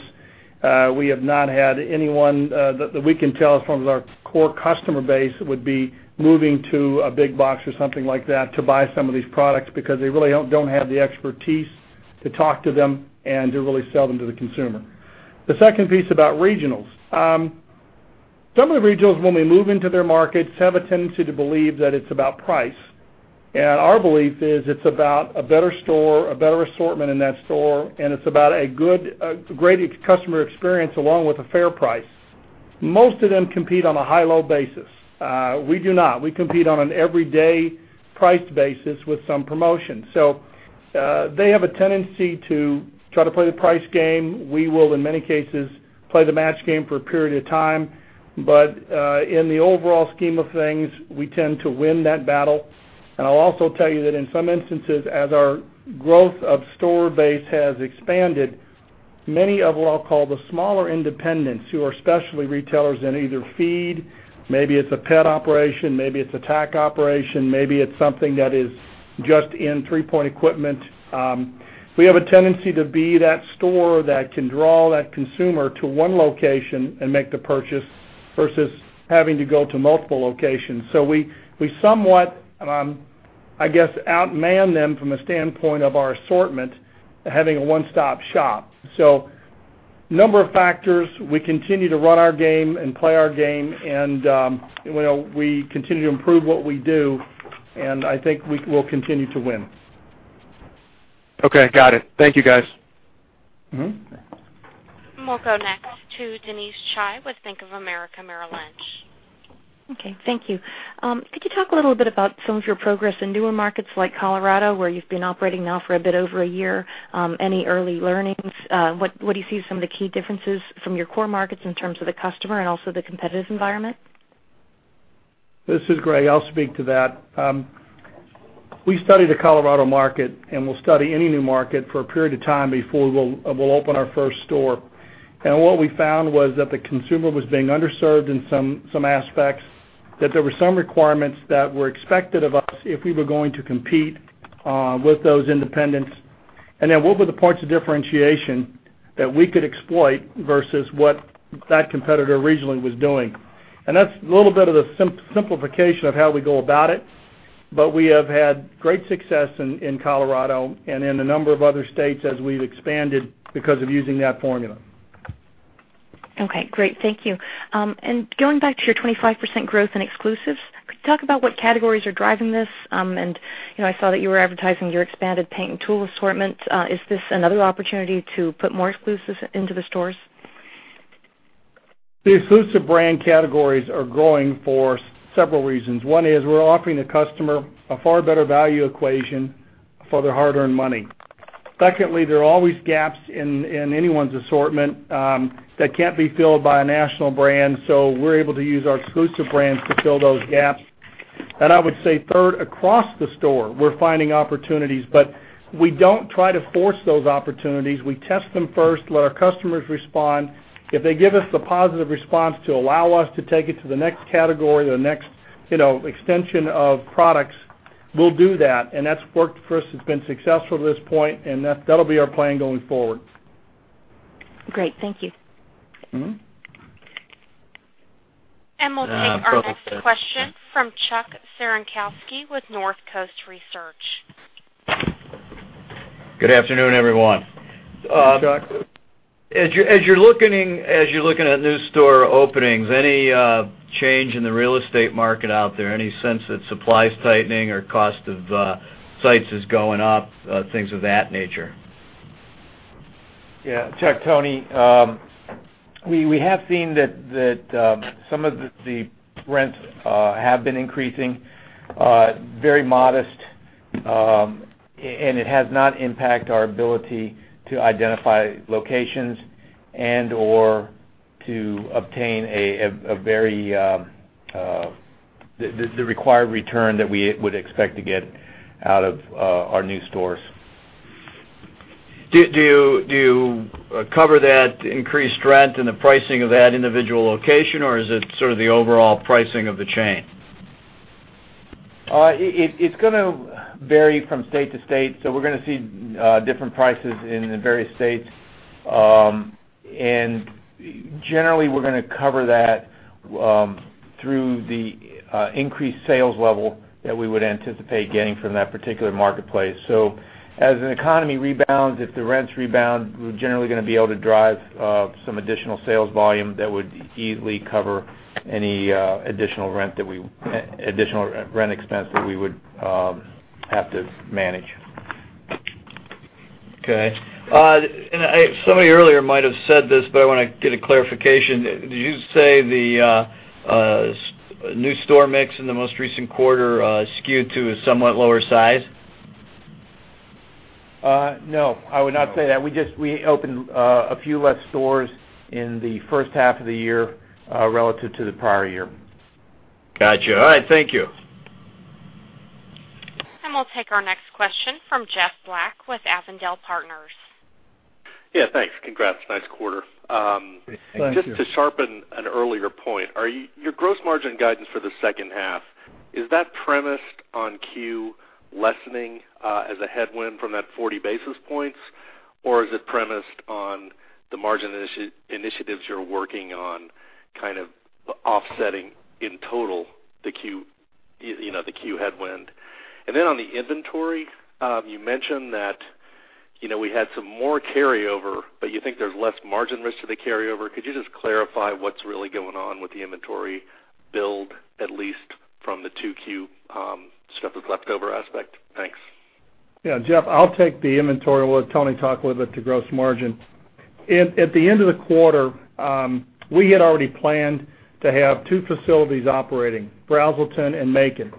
We have not had anyone that we can tell as far as our core customer base would be moving to a big box or something like that to buy some of these products because they really don't have the expertise to talk to them and to really sell them to the consumer. The second piece about regionals. Some of the regionals, when we move into their markets, have a tendency to believe that it's about price, and our belief is it's about a better store, a better assortment in that store, and it's about a great customer experience along with a fair price. Most of them compete on a high-low basis. We do not. We compete on an everyday price basis with some promotions. They have a tendency to try to play the price game. We will, in many cases, play the match game for a period of time. In the overall scheme of things, we tend to win that battle. I'll also tell you that in some instances, as our growth of store base has expanded, many of what I'll call the smaller independents who are specialty retailers in either feed, maybe it's a pet operation, maybe it's a tack operation, maybe it's something that is just in three-point equipment, we have a tendency to be that store that can draw that consumer to one location and make the purchase Versus having to go to multiple locations. We somewhat, and I'm, I guess, out-man them from a standpoint of our assortment, having a one-stop shop. Number of factors. We continue to run our game and play our game and we continue to improve what we do, I think we will continue to win. Okay, got it. Thank you guys. We'll go next to Denise Chai with Bank of America Merrill Lynch. Okay, thank you. Could you talk a little bit about some of your progress in newer markets like Colorado, where you've been operating now for a bit over a year? Any early learnings? What do you see some of the key differences from your core markets in terms of the customer and also the competitive environment? This is Greg. I'll speak to that. We studied the Colorado market and we'll study any new market for a period of time before we'll open our first store. What we found was that the consumer was being underserved in some aspects, that there were some requirements that were expected of us if we were going to compete with those independents. Then what were the points of differentiation that we could exploit versus what that competitor originally was doing. That's a little bit of the simplification of how we go about it, but we have had great success in Colorado and in a number of other states as we've expanded because of using that formula. Okay, great. Thank you. Going back to your 25% growth in exclusives, could you talk about what categories are driving this? I saw that you were advertising your expanded paint and tool assortment. Is this another opportunity to put more exclusives into the stores? The exclusive brand categories are growing for several reasons. One is we're offering the customer a far better value equation for their hard-earned money. Secondly, there are always gaps in anyone's assortment that can't be filled by a national brand, so we're able to use our exclusive brands to fill those gaps. I would say third, across the store, we're finding opportunities, but we don't try to force those opportunities. We test them first, let our customers respond. If they give us the positive response to allow us to take it to the next category or the next extension of products, we'll do that, and that's worked for us. It's been successful to this point, and that'll be our plan going forward. Great. Thank you. We'll take our next question from Chuck Cerankosky with Northcoast Research. Good afternoon, everyone. Hey, Chuck. As you're looking at new store openings, any change in the real estate market out there? Any sense that supply is tightening or cost of sites is going up, things of that nature? Yeah, Chuck. Tony. We have seen that some of the rents have been increasing, very modest, and it has not impacted our ability to identify locations and/or to obtain the required return that we would expect to get out of our new stores. Do you cover that increased rent in the pricing of that individual location, or is it sort of the overall pricing of the chain? It's going to vary from state to state, we're going to see different prices in the various states. Generally, we're going to cover that through the increased sales level that we would anticipate getting from that particular marketplace. As the economy rebounds, if the rents rebound, we're generally going to be able to drive some additional sales volume that would easily cover any additional rent expense that we would have to manage. Okay. Somebody earlier might have said this, I want to get a clarification. Did you say the new store mix in the most recent quarter skewed to a somewhat lower size? No, I would not say that. We opened a few less stores in the first half of the year relative to the prior year. Got you. All right, thank you. We'll take our next question from Jeff Black with Avondale Partners. Yeah, thanks. Congrats, nice quarter. Thank you. Just to sharpen an earlier point, your gross margin guidance for the second half, is that premised on Q lessening as a headwind from that 40 basis points, or is it premised on the margin initiatives you're working on kind of offsetting in total the Q headwind? On the inventory, you mentioned that we had some more carryover, but you think there's less margin risk to the carryover. Could you just clarify what's really going on with the inventory build, at least from the 2Q stuff that's left over aspect? Thanks. Yeah, Jeff, I'll take the inventory. We'll let Tony talk a little bit to gross margin. At the end of the quarter, we had already planned to have two facilities operating, Braselton and Macon.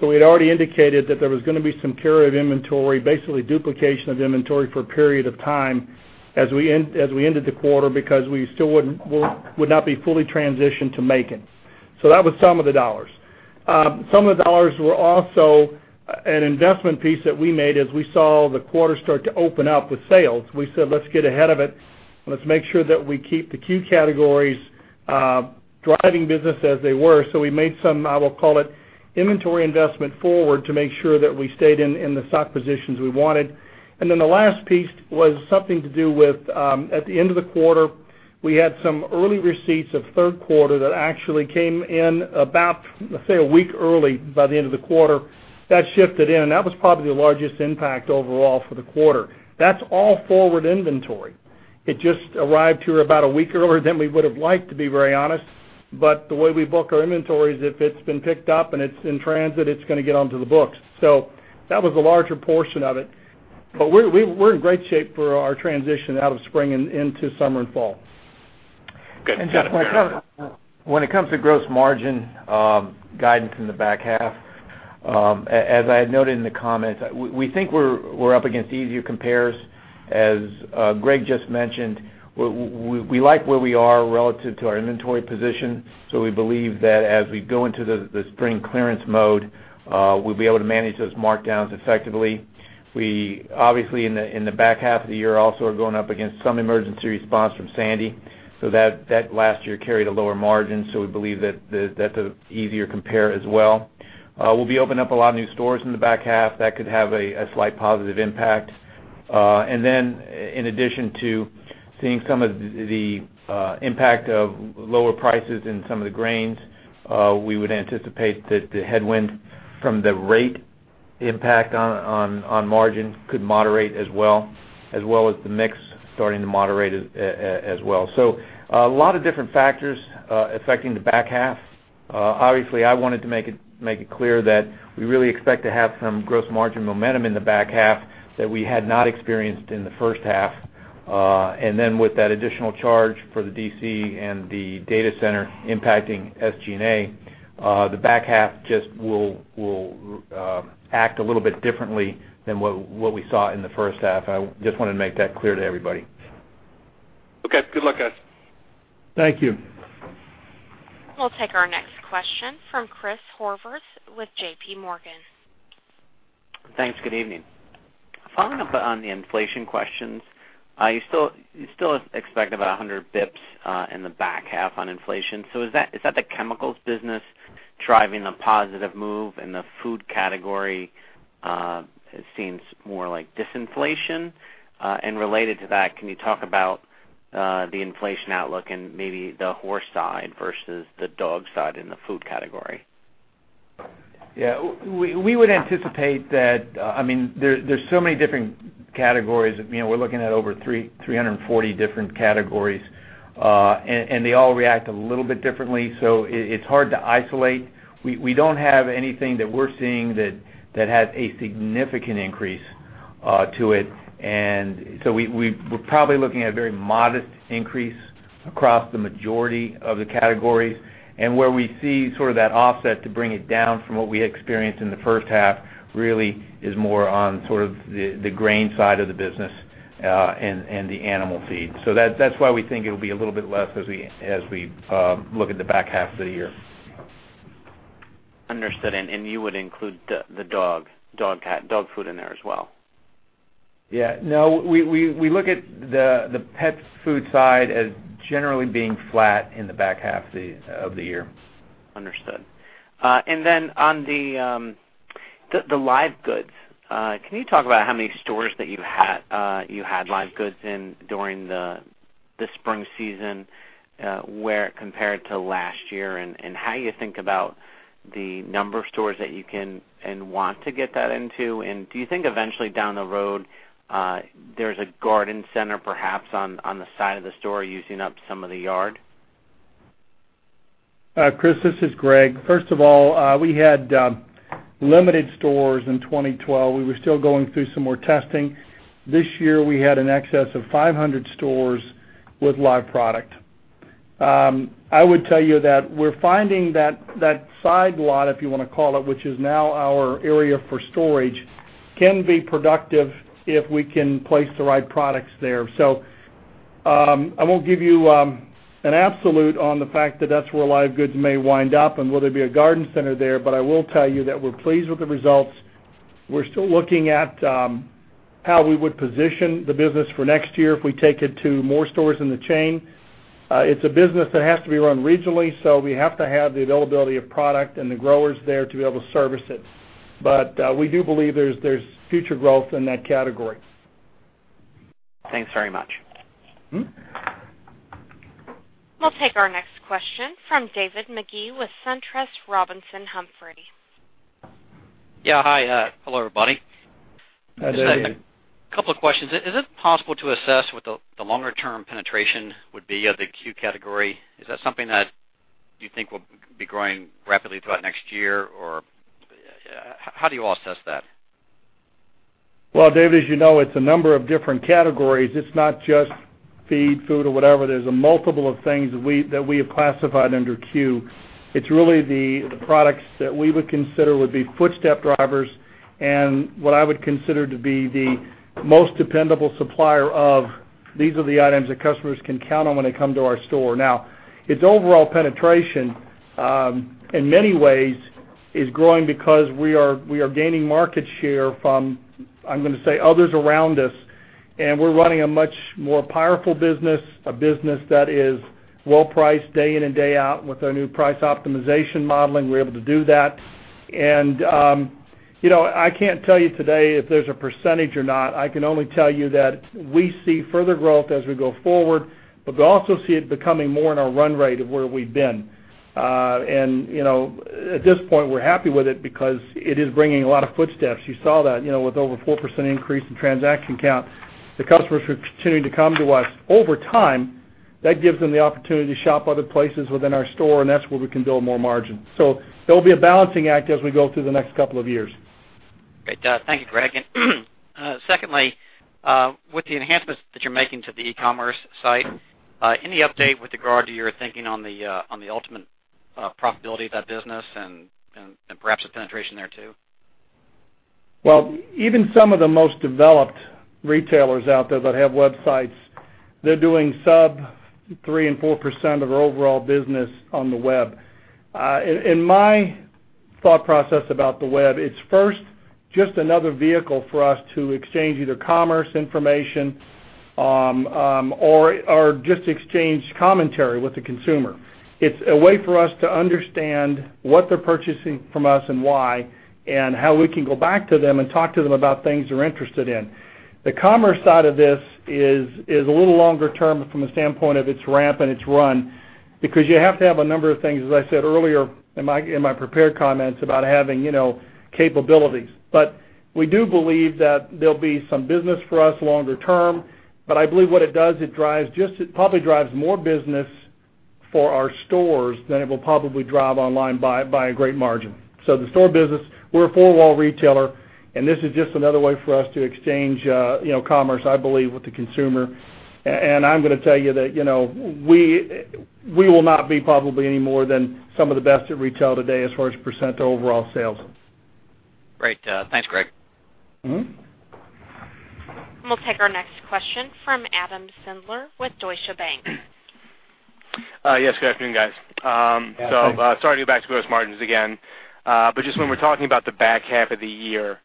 We had already indicated that there was going to be some carryover inventory, basically duplication of inventory for a period of time as we ended the quarter because we still would not be fully transitioned to Macon. That was some of the dollars. Some of the dollars were also an investment piece that we made as we saw the quarter start to open up with sales. We said, "Let's get ahead of it. Let's make sure that we keep the key categories driving business as they were." We made some, I will call it inventory investment forward to make sure that we stayed in the stock positions we wanted. The last piece was something to do with, at the end of the quarter, we had some early receipts of third quarter that actually came in about, let's say, one week early by the end of the quarter. That shifted in, and that was probably the largest impact overall for the quarter. That's all forward inventory. It just arrived here about one week earlier than we would've liked, to be very honest. The way we book our inventories, if it's been picked up and it's in transit, it's going to get onto the books. That was a larger portion of it. We're in great shape for our transition out of spring and into summer and fall. Good. When it comes to gross margin guidance in the back half, as I had noted in the comments, we think we're up against easier compares. As Greg just mentioned, we like where we are relative to our inventory position, we believe that as we go into the spring clearance mode, we'll be able to manage those markdowns effectively. We, obviously, in the back half of the year, also are going up against some emergency response from Sandy. That last year carried a lower margin, we believe that's an easier compare as well. We'll be opening up a lot of new stores in the back half. That could have a slight positive impact. In addition to seeing some of the impact of lower prices in some of the grains, we would anticipate that the headwind from the rate impact on margin could moderate as well, as well as the mix starting to moderate as well. A lot of different factors affecting the back half. I wanted to make it clear that we really expect to have some gross margin momentum in the back half that we had not experienced in the first half. With that additional charge for the DC and the data center impacting SG&A, the back half just will act a little bit differently than what we saw in the first half. I just wanted to make that clear to everybody. Okay. Good luck, guys. Thank you. We'll take our next question from Chris Horvers with J.P. Morgan. Thanks. Good evening. Following up on the inflation questions, you still expect about 100 basis points in the back half on inflation. Is that the chemicals business driving the positive move in the food category? It seems more like disinflation. Related to that, can you talk about the inflation outlook and maybe the horse side versus the dog side in the food category? Yeah. We would anticipate there's so many different categories. We're looking at over 340 different categories, and they all react a little bit differently, so it's hard to isolate. We don't have anything that we're seeing that has a significant increase to it. We're probably looking at a very modest increase across the majority of the categories. Where we see that offset to bring it down from what we experienced in the first half, really is more on the grain side of the business and the animal feed. That's why we think it'll be a little bit less as we look at the back half of the year. Understood. You would include the dog food in there as well? Yeah. No. We look at the pet food side as generally being flat in the back half of the year. Understood. Then on the live goods, can you talk about how many stores that you had live goods in during the spring season, where it compared to last year and how you think about the number of stores that you can and want to get that into? Do you think eventually down the road, there's a garden center perhaps on the side of the store using up some of the yard? Chris, this is Greg. First of all, we had limited stores in 2012. We were still going through some more testing. This year, we had an excess of 500 stores with live product. I would tell you that we're finding that that side lot, if you want to call it, which is now our area for storage, can be productive if we can place the right products there. I won't give you an absolute on the fact that that's where live goods may wind up and will there be a garden center there, but I will tell you that we're pleased with the results. We're still looking at how we would position the business for next year if we take it to more stores in the chain. It's a business that has to be run regionally, so we have to have the availability of product and the growers there to be able to service it. We do believe there's future growth in that category. Thanks very much. We'll take our next question from David Magee with SunTrust Robinson Humphrey. Yeah. Hi. Hello, everybody. Hi, David. Just a couple of questions. Is it possible to assess what the longer-term penetration would be of the Q category? Is that something that you think will be growing rapidly throughout next year, or how do you all assess that? Well, David, as you know, it's a number of different categories. It's not just feed, food, or whatever. There's a multiple of things that we have classified under Q. It's really the products that we would consider would be footstep drivers and what I would consider to be the most dependable supplier of. These are the items that customers can count on when they come to our store. Its overall penetration, in many ways, is growing because we are gaining market share from, I'm going to say, others around us. We're running a much more powerful business, a business that is well-priced day in and day out. With our new price optimization modeling, we're able to do that. I can't tell you today if there's a percentage or not. I can only tell you that we see further growth as we go forward, but we also see it becoming more in our run rate of where we've been. At this point, we're happy with it because it is bringing a lot of footsteps. You saw that, with over a 4% increase in transaction count. The customers are continuing to come to us over time. That gives them the opportunity to shop other places within our store, and that's where we can build more margin. There'll be a balancing act as we go through the next couple of years. Great. Thank you, Greg. Secondly, with the enhancements that you're making to the e-commerce site, any update with regard to your thinking on the ultimate profitability of that business and perhaps the penetration there, too? Well, even some of the most developed retailers out there that have websites, they're doing sub 3% and 4% of their overall business on the web. In my thought process about the web, it's first just another vehicle for us to exchange either commerce information or just exchange commentary with the consumer. It's a way for us to understand what they're purchasing from us and why, and how we can go back to them and talk to them about things they're interested in. The commerce side of this is a little longer term from the standpoint of its ramp and its run, because you have to have a number of things, as I said earlier in my prepared comments, about having capabilities. We do believe that there'll be some business for us longer term. I believe what it does, it probably drives more business for our stores than it will probably drive online by a great margin. The store business, we're a four-wall retailer, and this is just another way for us to exchange commerce, I believe, with the consumer. I'm going to tell you that we will not be probably any more than some of the best at retail today as far as % of overall sales. Great. Thanks, Greg. We'll take our next question from Adam Sindler with Deutsche Bank. Yes, good afternoon, guys. Afternoon. Starting back to gross margins again. Just when we're talking about the back half of the year,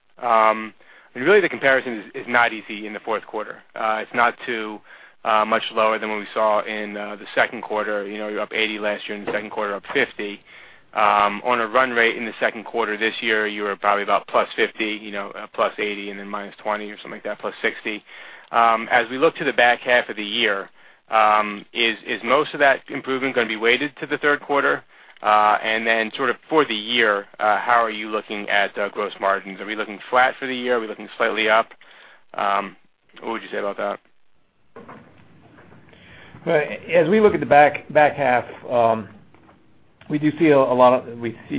really the comparison is not easy in the fourth quarter. It's not too much lower than what we saw in the second quarter. You're up 80 last year, in the second quarter up 50. On a run rate in the second quarter this year, you were probably about +50, +80, and then -20 or something like that, +60. As we look to the back half of the year, is most of that improvement going to be weighted to the third quarter? Then sort of for the year, how are you looking at gross margins? Are we looking flat for the year? Are we looking slightly up? What would you say about that? As we look at the back half, we see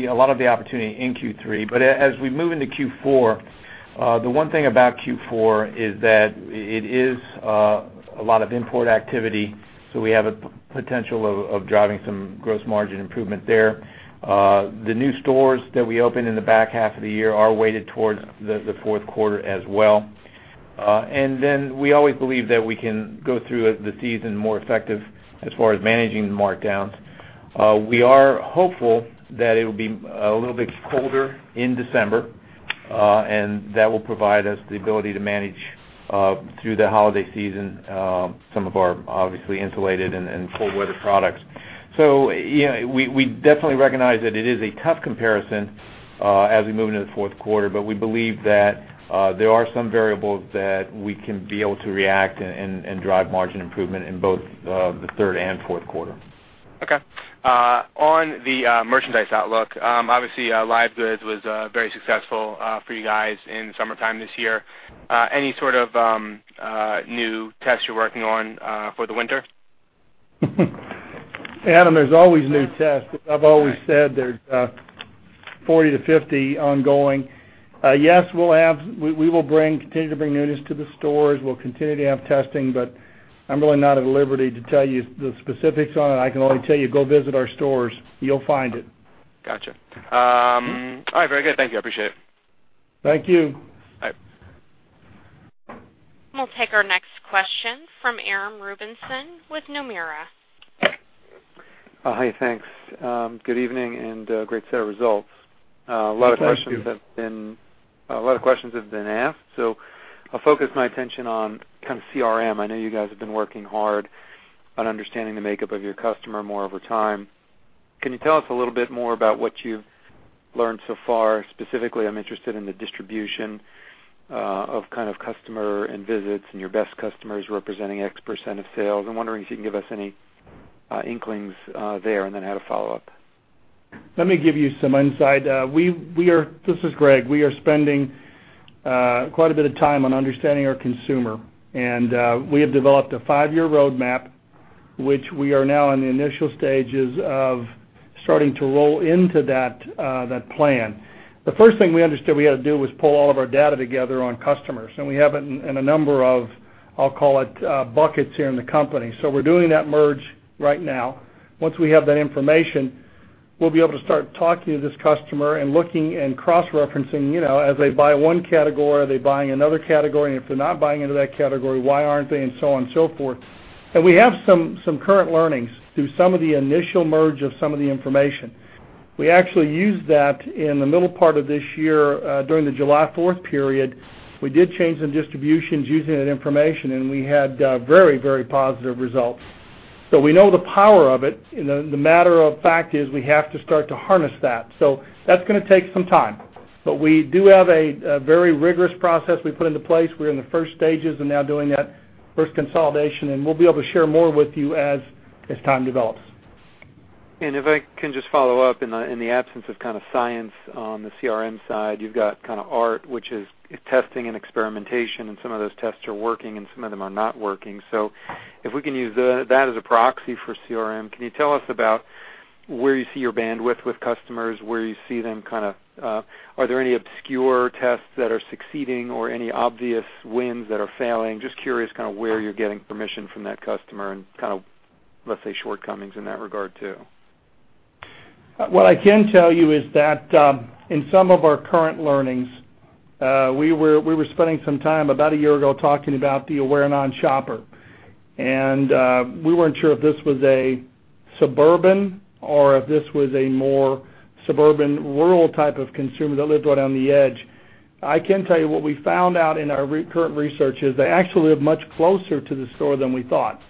a lot of the opportunity in Q3. As we move into Q4, the one thing about Q4 is that it is a lot of import activity. We have a potential of driving some gross margin improvement there. The new stores that we open in the back half of the year are weighted towards the fourth quarter as well. Then we always believe that we can go through the season more effective as far as managing the markdowns. We are hopeful that it'll be a little bit colder in December, and that will provide us the ability to manage through the holiday season some of our, obviously, insulated and cold weather products. We definitely recognize that it is a tough comparison as we move into the fourth quarter, but we believe that there are some variables that we can be able to react and drive margin improvement in both the third and fourth quarter. Okay. On the merchandise outlook, obviously live goods was very successful for you guys in summertime this year. Any sort of new tests you're working on for the winter? Adam, there's always new tests. I've always said there's 40-50 ongoing. Yes, we will continue to bring newness to the stores. We'll continue to have testing, but I'm really not at liberty to tell you the specifics on it. I can only tell you, go visit our stores. You'll find it. Got you. All right, very good. Thank you. I appreciate it. Thank you. Bye. We'll take our next question from Aram Rubinson with Nomura. Hi, thanks. Good evening and great set of results. Thank you. A lot of questions have been asked, I'll focus my attention on kind of CRM. I know you guys have been working hard on understanding the makeup of your customer more over time. Can you tell us a little bit more about what you've learned so far? Specifically, I'm interested in the distribution of customer and visits and your best customers representing X% of sales. I'm wondering if you can give us any inklings there, I had a follow-up. Let me give you some insight. This is Greg. We are spending quite a bit of time on understanding our consumer. We have developed a five-year roadmap, which we are now in the initial stages of starting to roll into that plan. The first thing we understood we had to do was pull all of our data together on customers, and we have it in a number of, I'll call it, buckets here in the company. We're doing that merge right now. Once we have that information, we'll be able to start talking to this customer and looking and cross-referencing as they buy one category, are they buying another category? If they're not buying into that category, why aren't they, and so on and so forth. We have some current learnings through some of the initial merge of some of the information. We actually used that in the middle part of this year, during the July 4th period. We did change some distributions using that information. We had very positive results. We know the power of it. The matter of fact is we have to start to harness that. That's going to take some time. We do have a very rigorous process we put into place. We're in the first stages and now doing that first consolidation, and we'll be able to share more with you as time develops. If I can just follow up, in the absence of kind of science on the CRM side, you've got kind of art, which is testing and experimentation, and some of those tests are working and some of them are not working. If we can use that as a proxy for CRM, can you tell us about where you see your bandwidth with customers, where you see them? Are there any obscure tests that are succeeding or any obvious wins that are failing? Just curious kind of where you're getting permission from that customer and kind of, let's say, shortcomings in that regard, too. What I can tell you is that in some of our current learnings, we were spending some time about a year ago talking about the aware non-shopper. We weren't sure if this was a suburban or if this was a more suburban rural type of consumer that lived right on the edge. I can tell you what we found out in our current research is they actually live much closer to the store than we thought.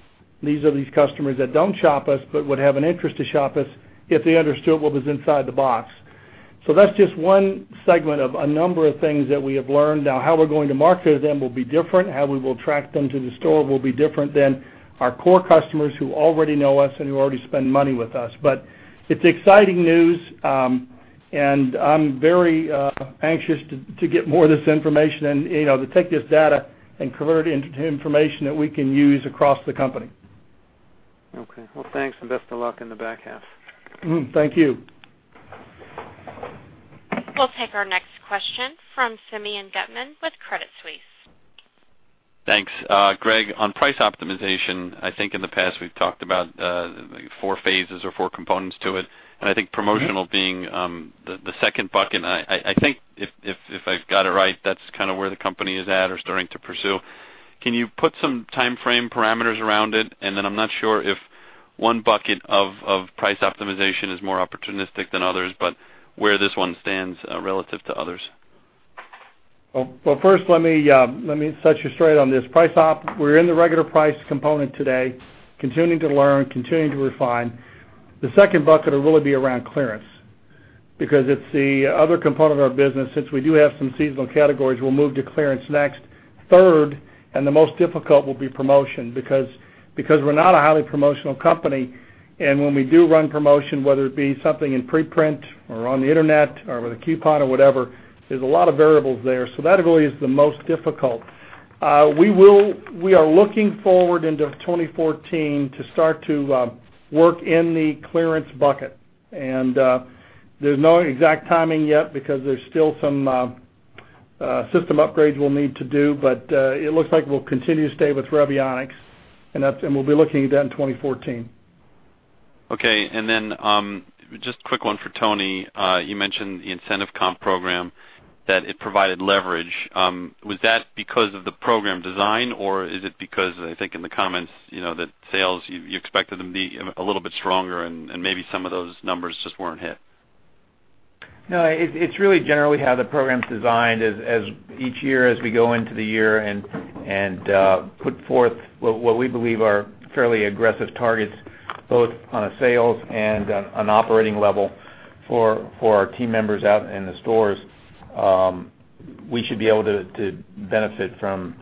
These are these customers that don't shop us but would have an interest to shop us if they understood what was inside the box. That's just one segment of a number of things that we have learned. Now, how we're going to market to them will be different. How we will attract them to the store will be different than our core customers who already know us and who already spend money with us. It's exciting news, and I'm very anxious to get more of this information and to take this data and convert it into information that we can use across the company. Okay. Well, thanks, and best of luck in the back half. Thank you. We'll take our next question from Simeon Gutman with Credit Suisse. Thanks. Greg, on price optimization, I think in the past, we've talked about four phases or four components to it, and I think promotional being the second bucket. I think, if I've got it right, that's kind of where the company is at or starting to pursue. Can you put some timeframe parameters around it? I'm not sure if one bucket of price optimization is more opportunistic than others, but where this one stands relative to others. Well, first, let me set you straight on this. Price op, we're in the regular price component today, continuing to learn, continuing to refine. The second bucket will really be around clearance because it's the other component of our business. Since we do have some seasonal categories, we'll move to clearance next. Third, and the most difficult, will be promotion because we're not a highly promotional company, and when we do run promotion, whether it be something in preprint or on the Internet or with a coupon or whatever, there's a lot of variables there. That really is the most difficult. We are looking forward into 2014 to start to work in the clearance bucket. There's no exact timing yet because there's still some system upgrades we'll need to do, but it looks like we'll continue to stay with Revionics, and we'll be looking at that in 2014. Okay, just a quick one for Tony. You mentioned the incentive comp program, that it provided leverage. Was that because of the program design, or is it because I think in the comments, that sales, you expected them to be a little bit stronger and maybe some of those numbers just weren't hit? No, it's really generally how the program's designed. Each year, as we go into the year and put forth what we believe are fairly aggressive targets, both on a sales and an operating level for our team members out in the stores, we should be able to benefit from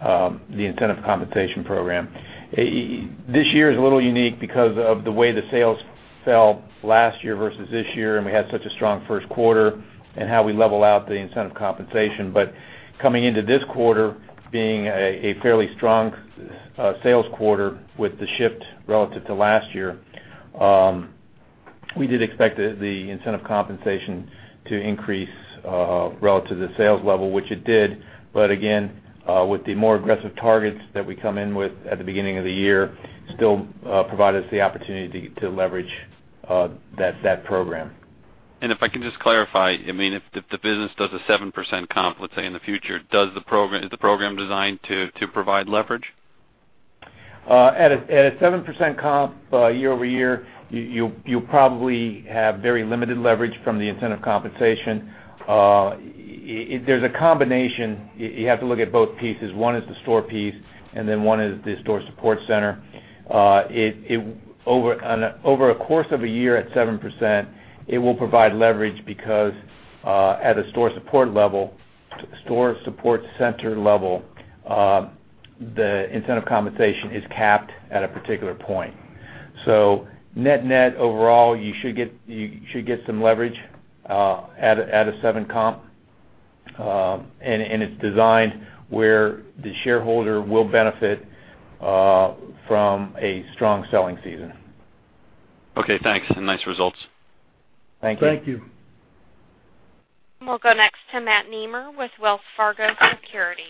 the incentive compensation program. This year is a little unique because of the way the sales fell last year versus this year, and we had such a strong first quarter and how we level out the incentive compensation. Coming into this quarter being a fairly strong sales quarter with the shift relative to last year, we did expect the incentive compensation to increase relative to the sales level, which it did. Again, with the more aggressive targets that we come in with at the beginning of the year, still provide us the opportunity to leverage that program. If I can just clarify, if the business does a 7% comp, let's say, in the future, is the program designed to provide leverage? At a 7% comp year-over-year, you'll probably have very limited leverage from the incentive compensation. There's a combination. You have to look at both pieces. One is the store piece, and then one is the store support center. Over a course of a year at 7%, it will provide leverage because at a store support center level, the incentive compensation is capped at a particular point. Net overall, you should get some leverage at a seven comp, and it's designed where the shareholder will benefit from a strong selling season. Okay, thanks, nice results. Thank you. Thank you. We'll go next to Matt Nemer with Wells Fargo Securities.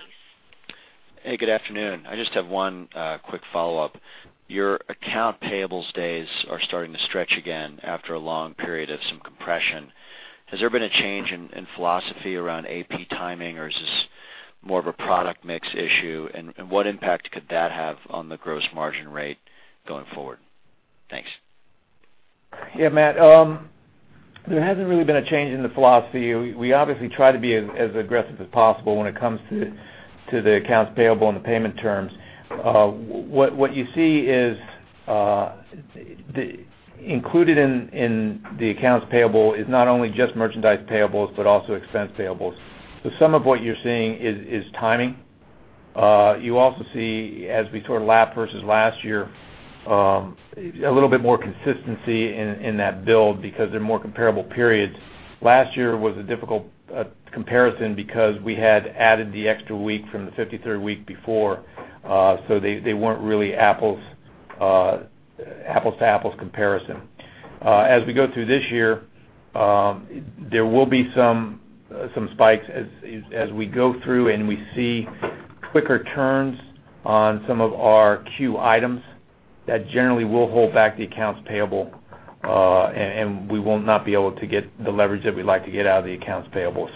Hey, good afternoon. I just have one quick follow-up. Your accounts payable days are starting to stretch again after a long period of some compression. Has there been a change in philosophy around AP timing, or is this more of a product mix issue, and what impact could that have on the gross margin rate going forward? Thanks. Yeah, Matt, there hasn't really been a change in the philosophy. We obviously try to be as aggressive as possible when it comes to the accounts payable and the payment terms. What you see is, included in the accounts payable is not only just merchandise payables, but also expense payables. Some of what you're seeing is timing. You also see, as we sort of lap versus last year, a little bit more consistency in that build because they're more comparable periods. Last year was a difficult comparison because we had added the extra week from the 53rd week before, so they weren't really apples-to-apples comparison. As we go through this year, there will be some spikes as we go through and we see quicker turns on some of our C.U.E. items, that generally will hold back the accounts payable, and we will not be able to get the leverage that we'd like to get out of the accounts payable.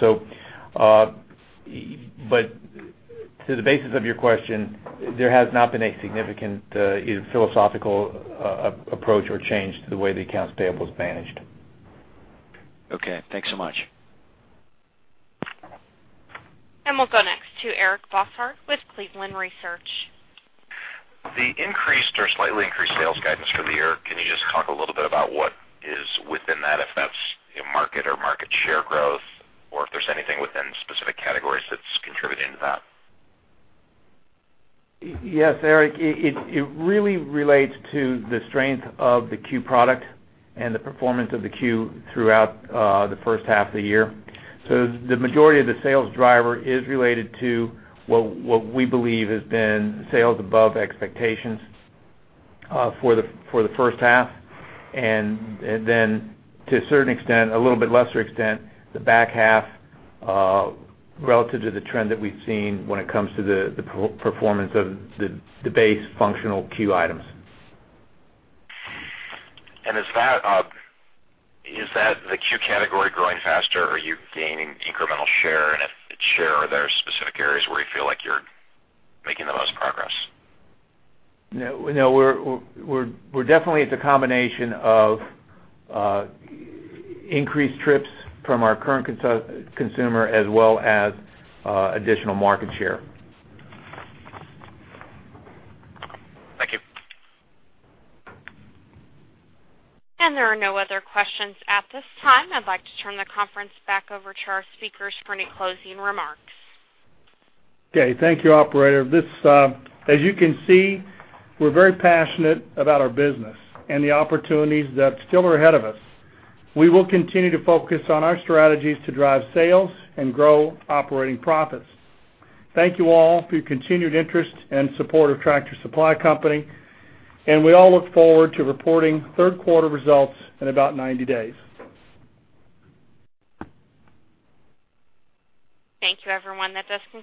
To the basis of your question, there has not been a significant, either philosophical approach or change to the way the accounts payable is managed. Okay, thanks so much. We'll go next to Eric Bosshard with Cleveland Research. The increased or slightly increased sales guidance for the year, can you just talk a little bit about what is within that, if that's market or market share growth, or if there's anything within specific categories that's contributing to that? Yes, Eric Bosshard, it really relates to the strength of the Q product and the performance of the Q throughout the first half of the year. The majority of the sales driver is related to what we believe has been sales above expectations for the first half, and then to a certain extent, a little bit lesser extent, the back half, relative to the trend that we've seen when it comes to the performance of the base functional C.U.E. items. Is that the Q category growing faster, or are you gaining incremental share, and if it's share, are there specific areas where you feel like you're making the most progress? No. We're definitely at the combination of increased trips from our current consumer as well as additional market share. Thank you. There are no other questions at this time. I'd like to turn the conference back over to our speakers for any closing remarks. Okay, thank you, operator. As you can see, we're very passionate about our business and the opportunities that still are ahead of us. We will continue to focus on our strategies to drive sales and grow operating profits. Thank you all for your continued interest and support of Tractor Supply Company, and we all look forward to reporting third quarter results in about 90 days. Thank you everyone. That does.